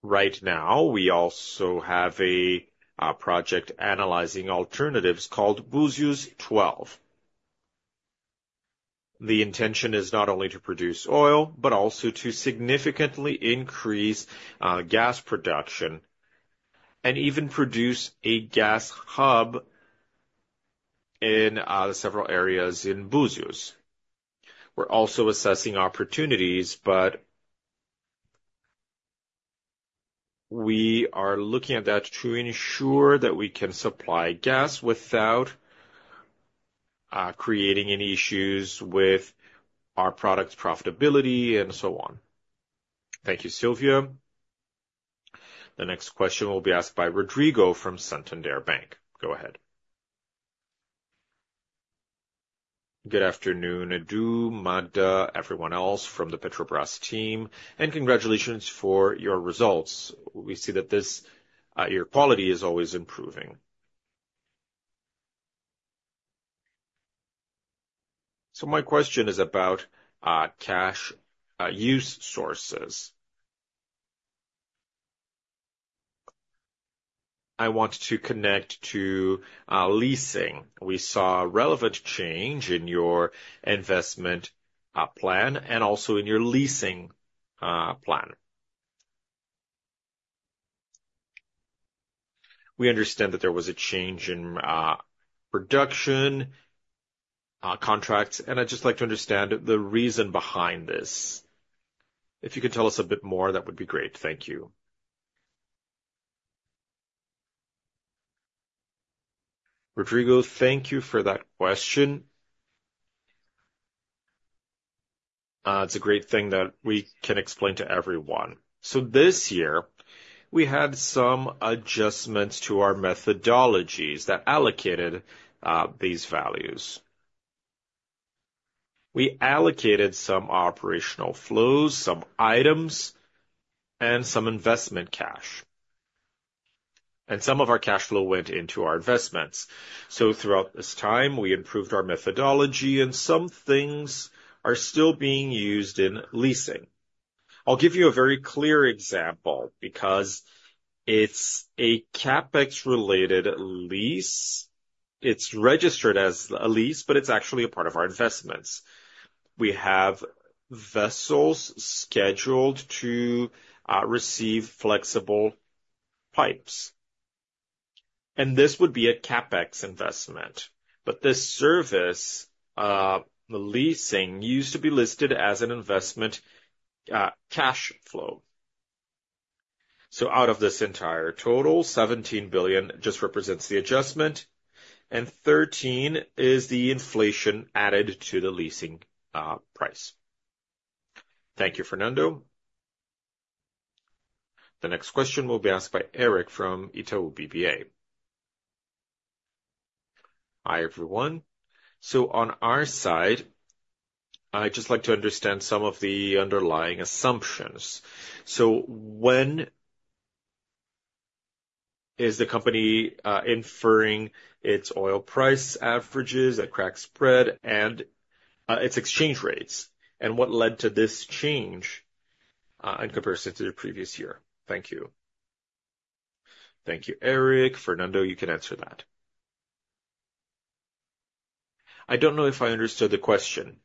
Right now, we also have a project analyzing alternatives called Búzios 12. The intention is not only to produce oil, but also to significantly increase gas production and even produce a gas hub in several areas in Búzios. We're also assessing opportunities, but we are looking at that to ensure that we can supply gas without creating any issues with our product's profitability and so on. Thank you, Sylvia. The next question will be asked by Rodrigo from Santander. Go ahead. Good afternoon, Edu, Magda, everyone else from the Petrobras team, and congratulations for your results. We see that your quality is always improving. So my question is about cash use sources. I want to connect to leasing. We saw relevant change in your investment plan and also in your leasing plan. We understand that there was a change in production contracts, and I'd just like to understand the reason behind this. If you could tell us a bit more, that would be great. Thank you. Rodrigo, thank you for that question. It's a great thing that we can explain to everyone. So this year, we had some adjustments to our methodologies that allocated these values. We allocated some operational flows, some items, and some investment cash. And some of our cash flow went into our investments. So throughout this time, we improved our methodology, and some things are still being used in leasing. I'll give you a very clear example because it's a CapEx-related lease. It's registered as a lease, but it's actually a part of our investments. We have vessels scheduled to receive flexible pipes. This would be a CapEx investment. But this service, the leasing, used to be listed as an investment cash flow. So out of this entire total, $17 billion just represents the adjustment, and $13 billion is the inflation added to the leasing price. Thank you, Fernando. The next question will be asked by Erik from Itaú BBA. Hi, everyone. So on our side, I'd just like to understand some of the underlying assumptions. So when is the company inferring its oil price averages, at crack spread, and its exchange rates, and what led to this change in comparison to the previous year? Thank you. Thank you, Erik. Fernando, you can answer that. I don't know if I understood the question.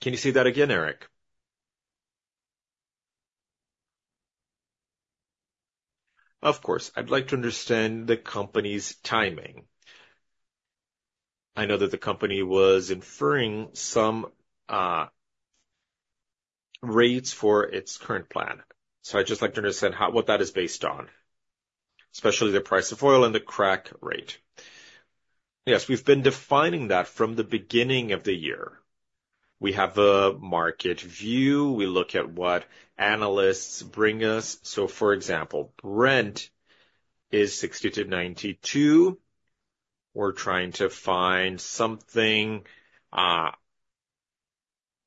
Can you say that again, Erik? Of course. I'd like to understand the company's timing. I know that the company was inferring some rates for its current plan. So I'd just like to understand what that is based on, especially the price of oil and the crack rate. Yes, we've been defining that from the beginning of the year. We have a market view. We look at what analysts bring us. So for example, Brent is $60-$92. We're trying to find something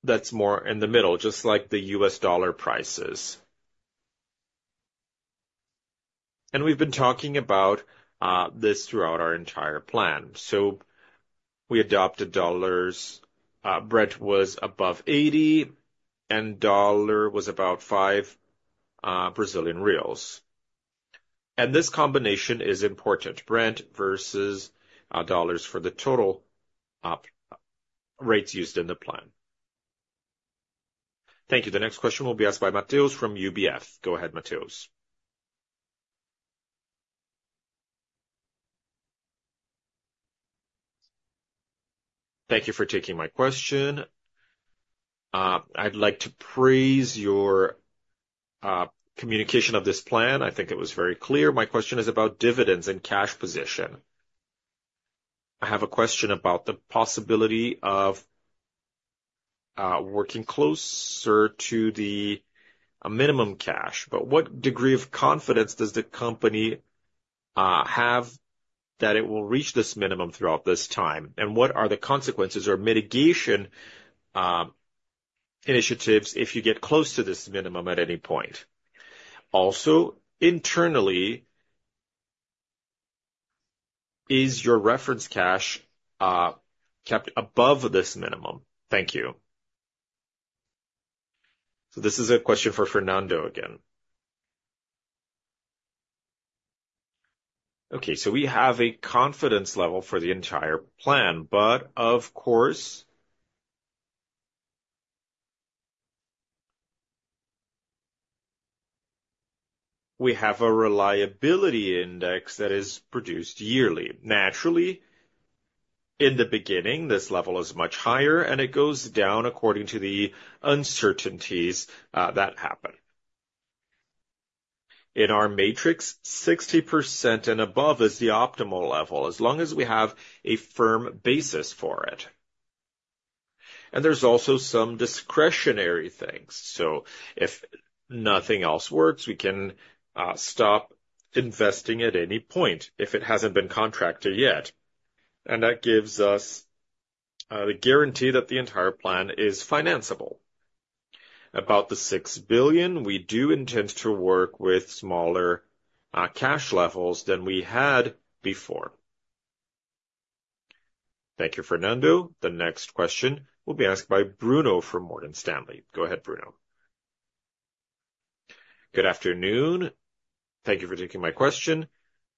that's more in the middle, just like the US dollar prices. And we've been talking about this throughout our entire plan. So we adopted dollars. Brent was above $80, and dollar was about 5 bbl. And this combination is important, Brent versus dollars for the total rates used in the plan. Thank you. The next question will be asked by Matheus from UBS. Go ahead, Matheus. Thank you for taking my question. I'd like to praise your communication of this plan. I think it was very clear. My question is about dividends and cash position. I have a question about the possibility of working closer to the minimum cash. But what degree of confidence does the company have that it will reach this minimum throughout this time? And what are the consequences or mitigation initiatives if you get close to this minimum at any point? Also, internally, is your reference cash kept above this minimum? Thank you. So this is a question for Fernando again. Okay. So we have a confidence level for the entire plan, but of course, we have a reliability index that is produced yearly. Naturally, in the beginning, this level is much higher, and it goes down according to the uncertainties that happen. In our matrix, 60% and above is the optimal level as long as we have a firm basis for it. And there's also some discretionary things. So if nothing else works, we can stop investing at any point if it hasn't been contracted yet. And that gives us the guarantee that the entire plan is financeable. About the $6 billion, we do intend to work with smaller cash levels than we had before. Thank you, Fernando. The next question will be asked by Bruno from Morgan Stanley. Go ahead, Bruno. Good afternoon. Thank you for taking my question.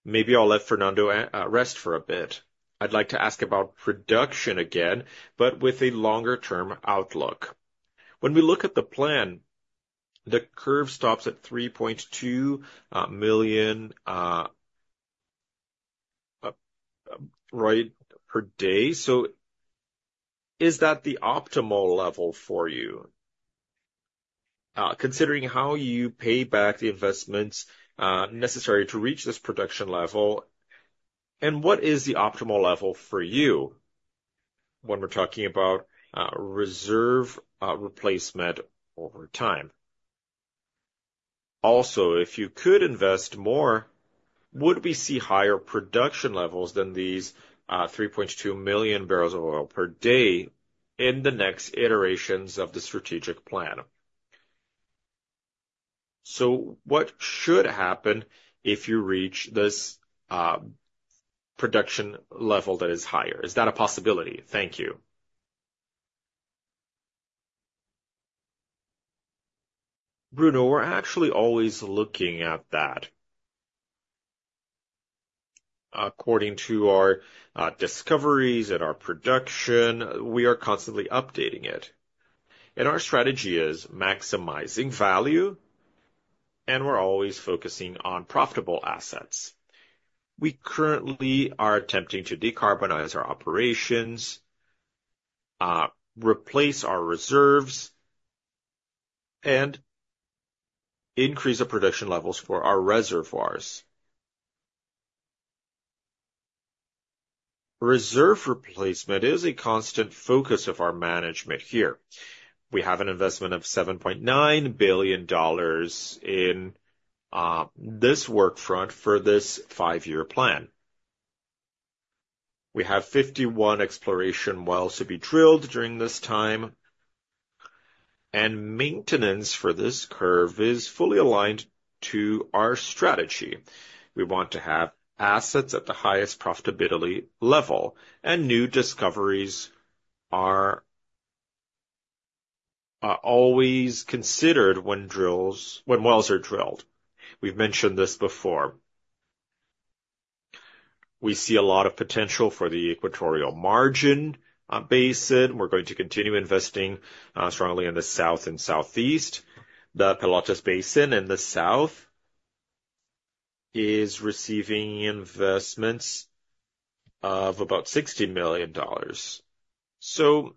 Maybe I'll let Fernando rest for a bit. I'd like to ask about production again, but with a longer-term outlook. When we look at the plan, the curve stops at 3.2 million boe per day. So is that the optimal level for you, considering how you pay back the investments necessary to reach this production level? And what is the optimal level for you when we're talking about reserve replacement over time? Also, if you could invest more, would we see higher production levels than these 3.2 million barrels of oil per day in the next iterations of the strategic plan? So what should happen if you reach this production level that is higher? Is that a possibility? Thank you. Bruno, we're actually always looking at that. According to our discoveries and our production, we are constantly updating it. And our strategy is maximizing value, and we're always focusing on profitable assets. We currently are attempting to decarbonize our operations, replace our reserves, and increase the production levels for our reservoirs. Reserve replacement is a constant focus of our management here. We have an investment of $7.9 billion in this Workfront for this five-year plan. We have 51 exploration wells to be drilled during this time. And maintenance for this curve is fully aligned to our strategy. We want to have assets at the highest profitability level, and new discoveries are always considered when wells are drilled. We've mentioned this before. We see a lot of potential for the Equatorial Margin basin. We're going to continue investing strongly in the south and southeast. The Pelotas Basin in the south is receiving investments of about $60 million, so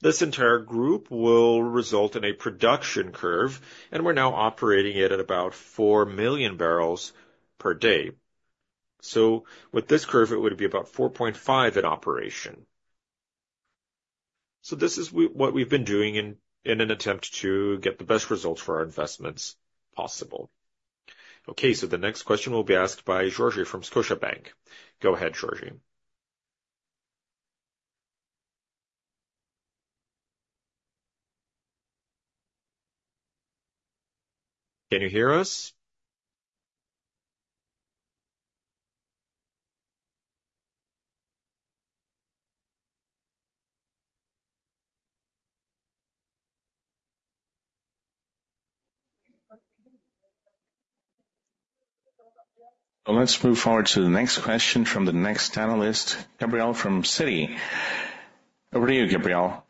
this entire group will result in a production curve, and we're now operating it at about 4 million barrels per day. So with this curve, it would be about 4.5 in operation. So this is what we've been doing in an attempt to get the best results for our investments possible. Okay. So the next question will be asked by George from Scotiabank. Go ahead, George. Can you hear us? Let's move forward to the next question from the next panelist, Gabriel from Citi. Over to you, Gabriel.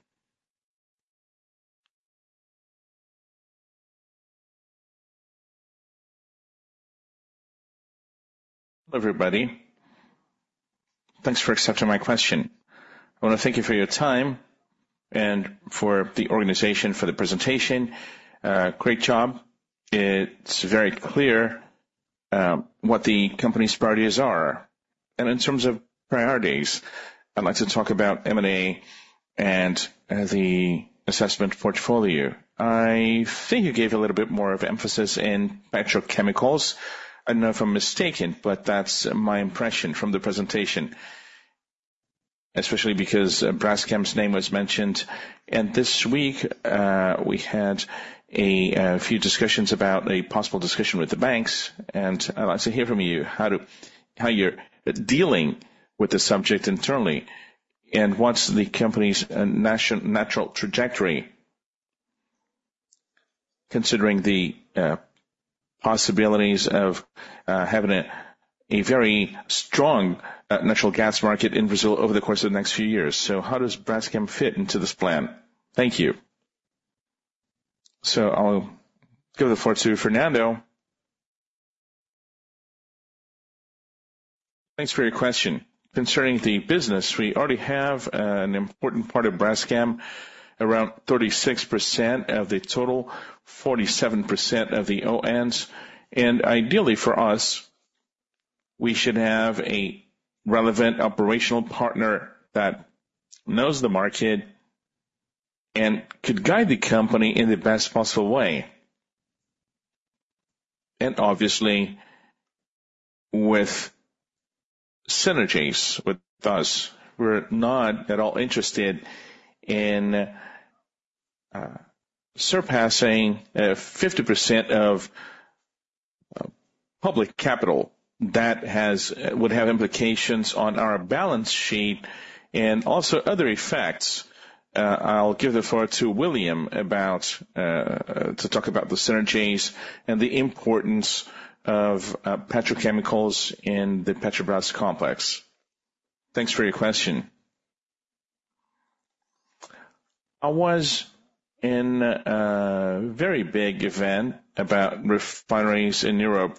Hello, everybody. Thanks for accepting my question. I want to thank you for your time and for the organization for the presentation. Great job. It's very clear what the company's priorities are. And in terms of priorities, I'd like to talk about M&A and the asset portfolio. I think you gave a little bit more of emphasis in petrochemicals. I don't know if I'm mistaken, but that's my impression from the presentation, especially because Braskem's name was mentioned. And this week, we had a few discussions about a possible discussion with the banks. And I'd like to hear from you how you're dealing with the subject internally and what's the company's natural trajectory, considering the possibilities of having a very strong natural gas market in Brazil over the course of the next few years. So how does Braskem fit into this plan? Thank you. So I'll go forward to Fernando. Thanks for your question. Concerning the business, we already have an important part of Braskem around 36% of the total, 47% of the ONs, and ideally for us, we should have a relevant operational partner that knows the market and could guide the company in the best possible way, and obviously, with synergies with us, we're not at all interested in surpassing 50% of public capital that would have implications on our balance sheet and also other effects. I'll give the floor to William to talk about the synergies and the importance of petrochemicals in the Petrobras complex. Thanks for your question. I was in a very big event about refineries in Europe,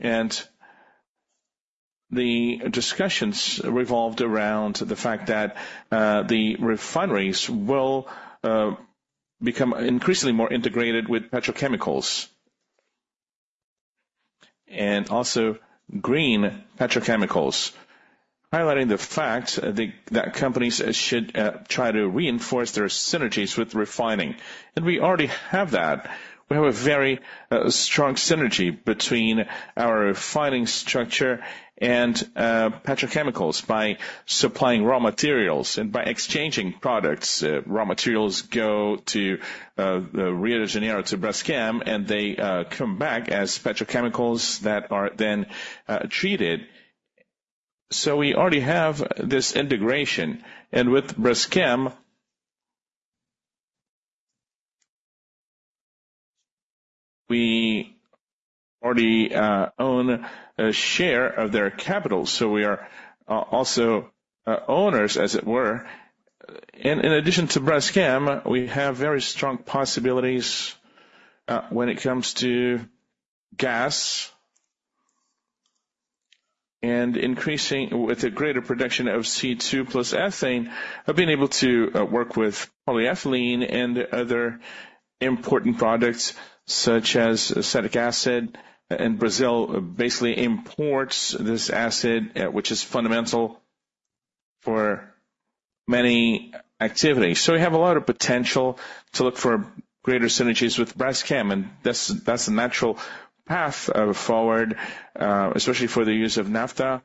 and the discussions revolved around the fact that the refineries will become increasingly more integrated with petrochemicals and also green petrochemicals, highlighting the fact that companies should try to reinforce their synergies with refining. And we already have that. We have a very strong synergy between our refining structure and petrochemicals by supplying raw materials and by exchanging products. Raw materials go to Rio de Janeiro to Braskem, and they come back as petrochemicals that are then treated. So we already have this integration. And with Braskem, we already own a share of their capital. So we are also owners, as it were. And in addition to Braskem, we have very strong possibilities when it comes to gas. And increasing with a greater production of C2 plus ethane, I've been able to work with polyethylene and other important products such as acetic acid. And Brazil basically imports this acid, which is fundamental for many activities. So we have a lot of potential to look for greater synergies with Braskem. And that's a natural path forward, especially for the use of naphtha.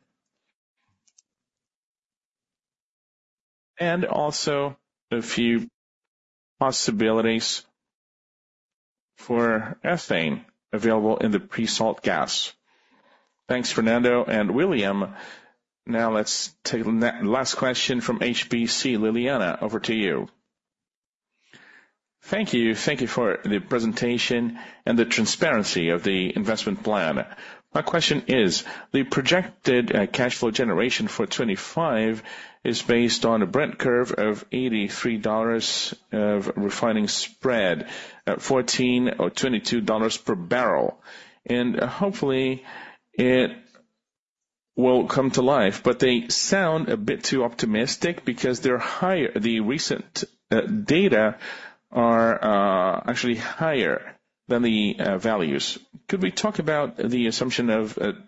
And also a few possibilities for ethane available in the pre-salt gas. Thanks, Fernando and William. Now let's take the last question from HSBC Lily Yang. Over to you. Thank you. Thank you for the presentation and the transparency of the investment plan. My question is, the projected cash flow generation for 2025 is based on a Brent curve of $83 of refining spread at $14 or $22 per barrel. And hopefully, it will come to life. But they sound a bit too optimistic because the recent data are actually higher than the values. Could we talk about the assumptions of 2026,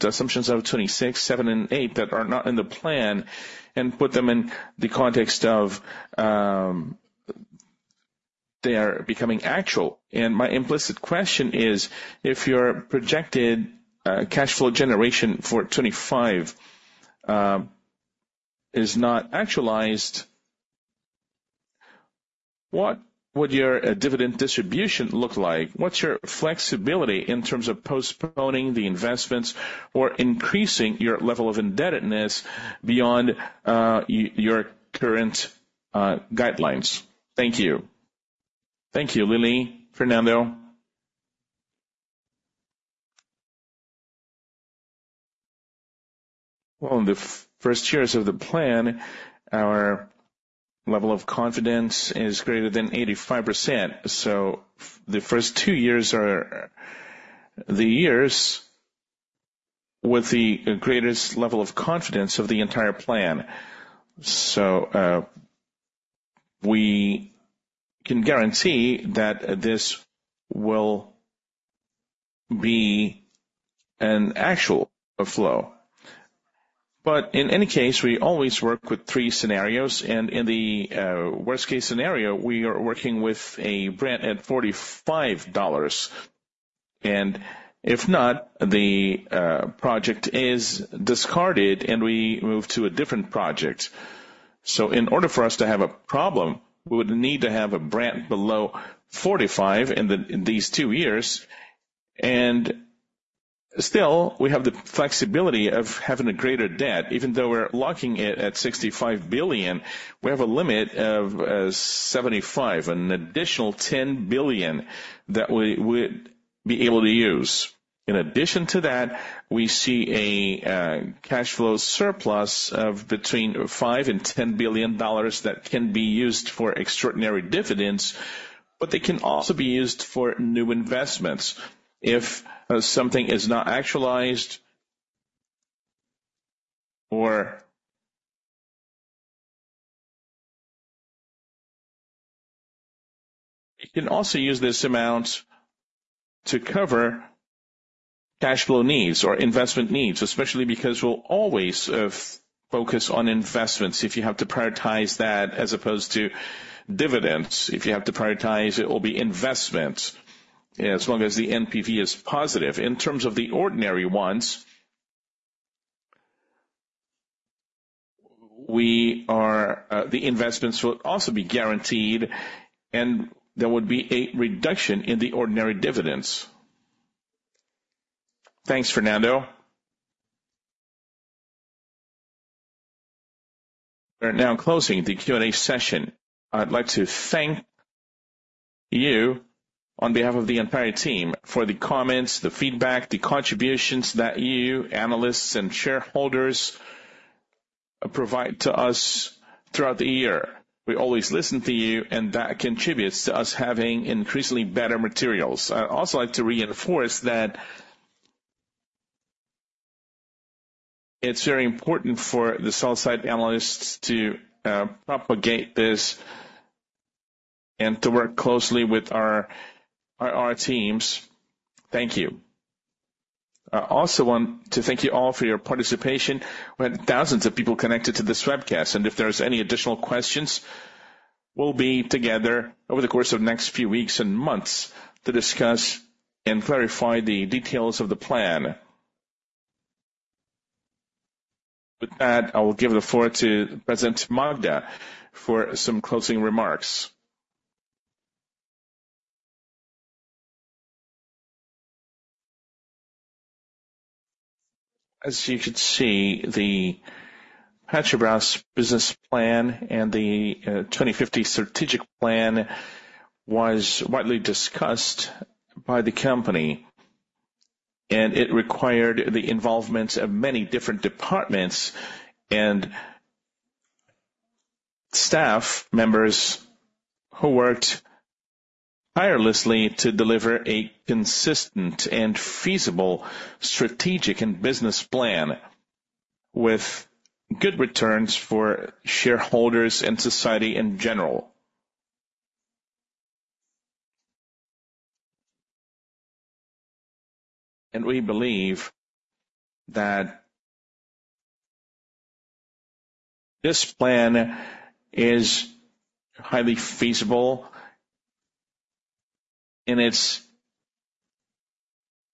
2027, and 2028 that are not in the plan and put them in the context of they are becoming actual? My implicit question is, if your projected cash flow generation for 2025 is not actualized, what would your dividend distribution look like? What's your flexibility in terms of postponing the investments or increasing your level of indebtedness beyond your current guidelines? Thank you. Thank you, Lily, Fernando. In the first years of the plan, our level of confidence is greater than 85%. The first two years are the years with the greatest level of confidence of the entire plan. We can guarantee that this will be an actual flow. In any case, we always work with three scenarios. In the worst-case scenario, we are working with a Brent at $45. If not, the project is discarded, and we move to a different project. In order for us to have a problem, we would need to have a Brent below $45 in these two years. Still, we have the flexibility of having a greater debt. Even though we're locking it at $65 billion, we have a limit of $75, an additional $10 billion that we would be able to use. In addition to that, we see a cash flow surplus of between $5 and $10 billion that can be used for extraordinary dividends, but they can also be used for new investments. If something is not actualized, you can also use this amount to cover cash flow needs or investment needs, especially because we'll always focus on investments if you have to prioritize that as opposed to dividends. If you have to prioritize, it will be investments as long as the NPV is positive. In terms of the ordinary ones, the investments will also be guaranteed, and there would be a reduction in the ordinary dividends. Thanks, Fernando. We're now closing the Q&A session. I'd like to thank you on behalf of the entire team for the comments, the feedback, the contributions that you, analysts and shareholders, provide to us throughout the year. We always listen to you, and that contributes to us having increasingly better materials. I'd also like to reinforce that it's very important for the sell-side analysts to propagate this and to work closely with our teams. Thank you. I also want to thank you all for your participation. We had thousands of people connected to this webcast, and if there's any additional questions, we'll be together over the course of the next few weeks and months to discuss and clarify the details of the plan. With that, I will give the floor to President Magda for some closing remarks. As you could see, the Petrobras business plan and the 2050 strategic plan was widely discussed by the company. And it required the involvement of many different departments and staff members who worked tirelessly to deliver a consistent and feasible strategic and business plan with good returns for shareholders and society in general. And we believe that this plan is highly feasible. In its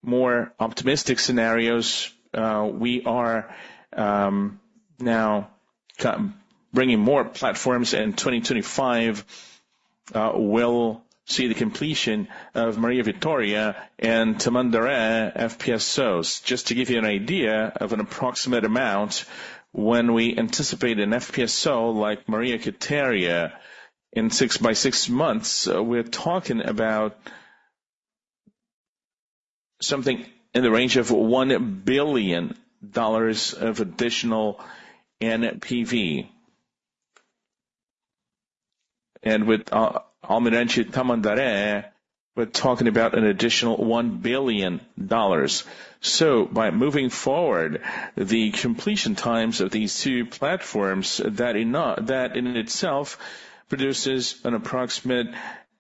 more optimistic scenarios, we are now bringing more platforms, and 2025 will see the completion of Maria Quitéria and Almirante Tamandaré FPSOs. Just to give you an idea of an approximate amount, when we anticipate an FPSO like Maria Quitéria in six by six months, we're talking about something in the range of $1 billion of additional NPV. And with Almirante Tamandaré, we're talking about an additional $1 billion. So by moving forward, the completion times of these two platforms, that in itself produces an approximate NPV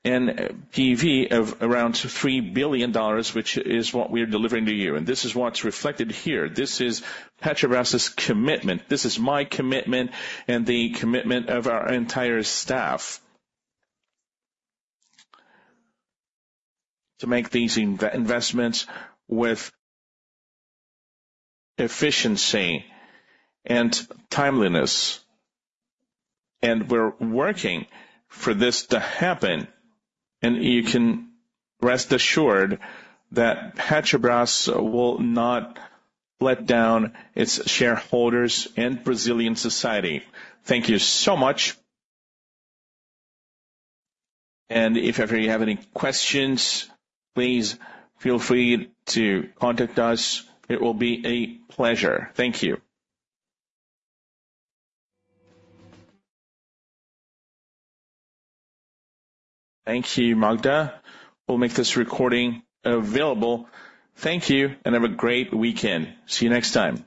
of around $3 billion, which is what we're delivering to you. And this is what's reflected here. This is Petrobras's commitment. This is my commitment and the commitment of our entire staff to make these investments with efficiency and timeliness. And we're working for this to happen. And you can rest assured that Petrobras will not let down its shareholders and Brazilian society. Thank you so much. And if ever you have any questions, please feel free to contact us. It will be a pleasure. Thank you. Thank you, Magda. We'll make this recording available. Thank you, and have a great weekend. See you next time.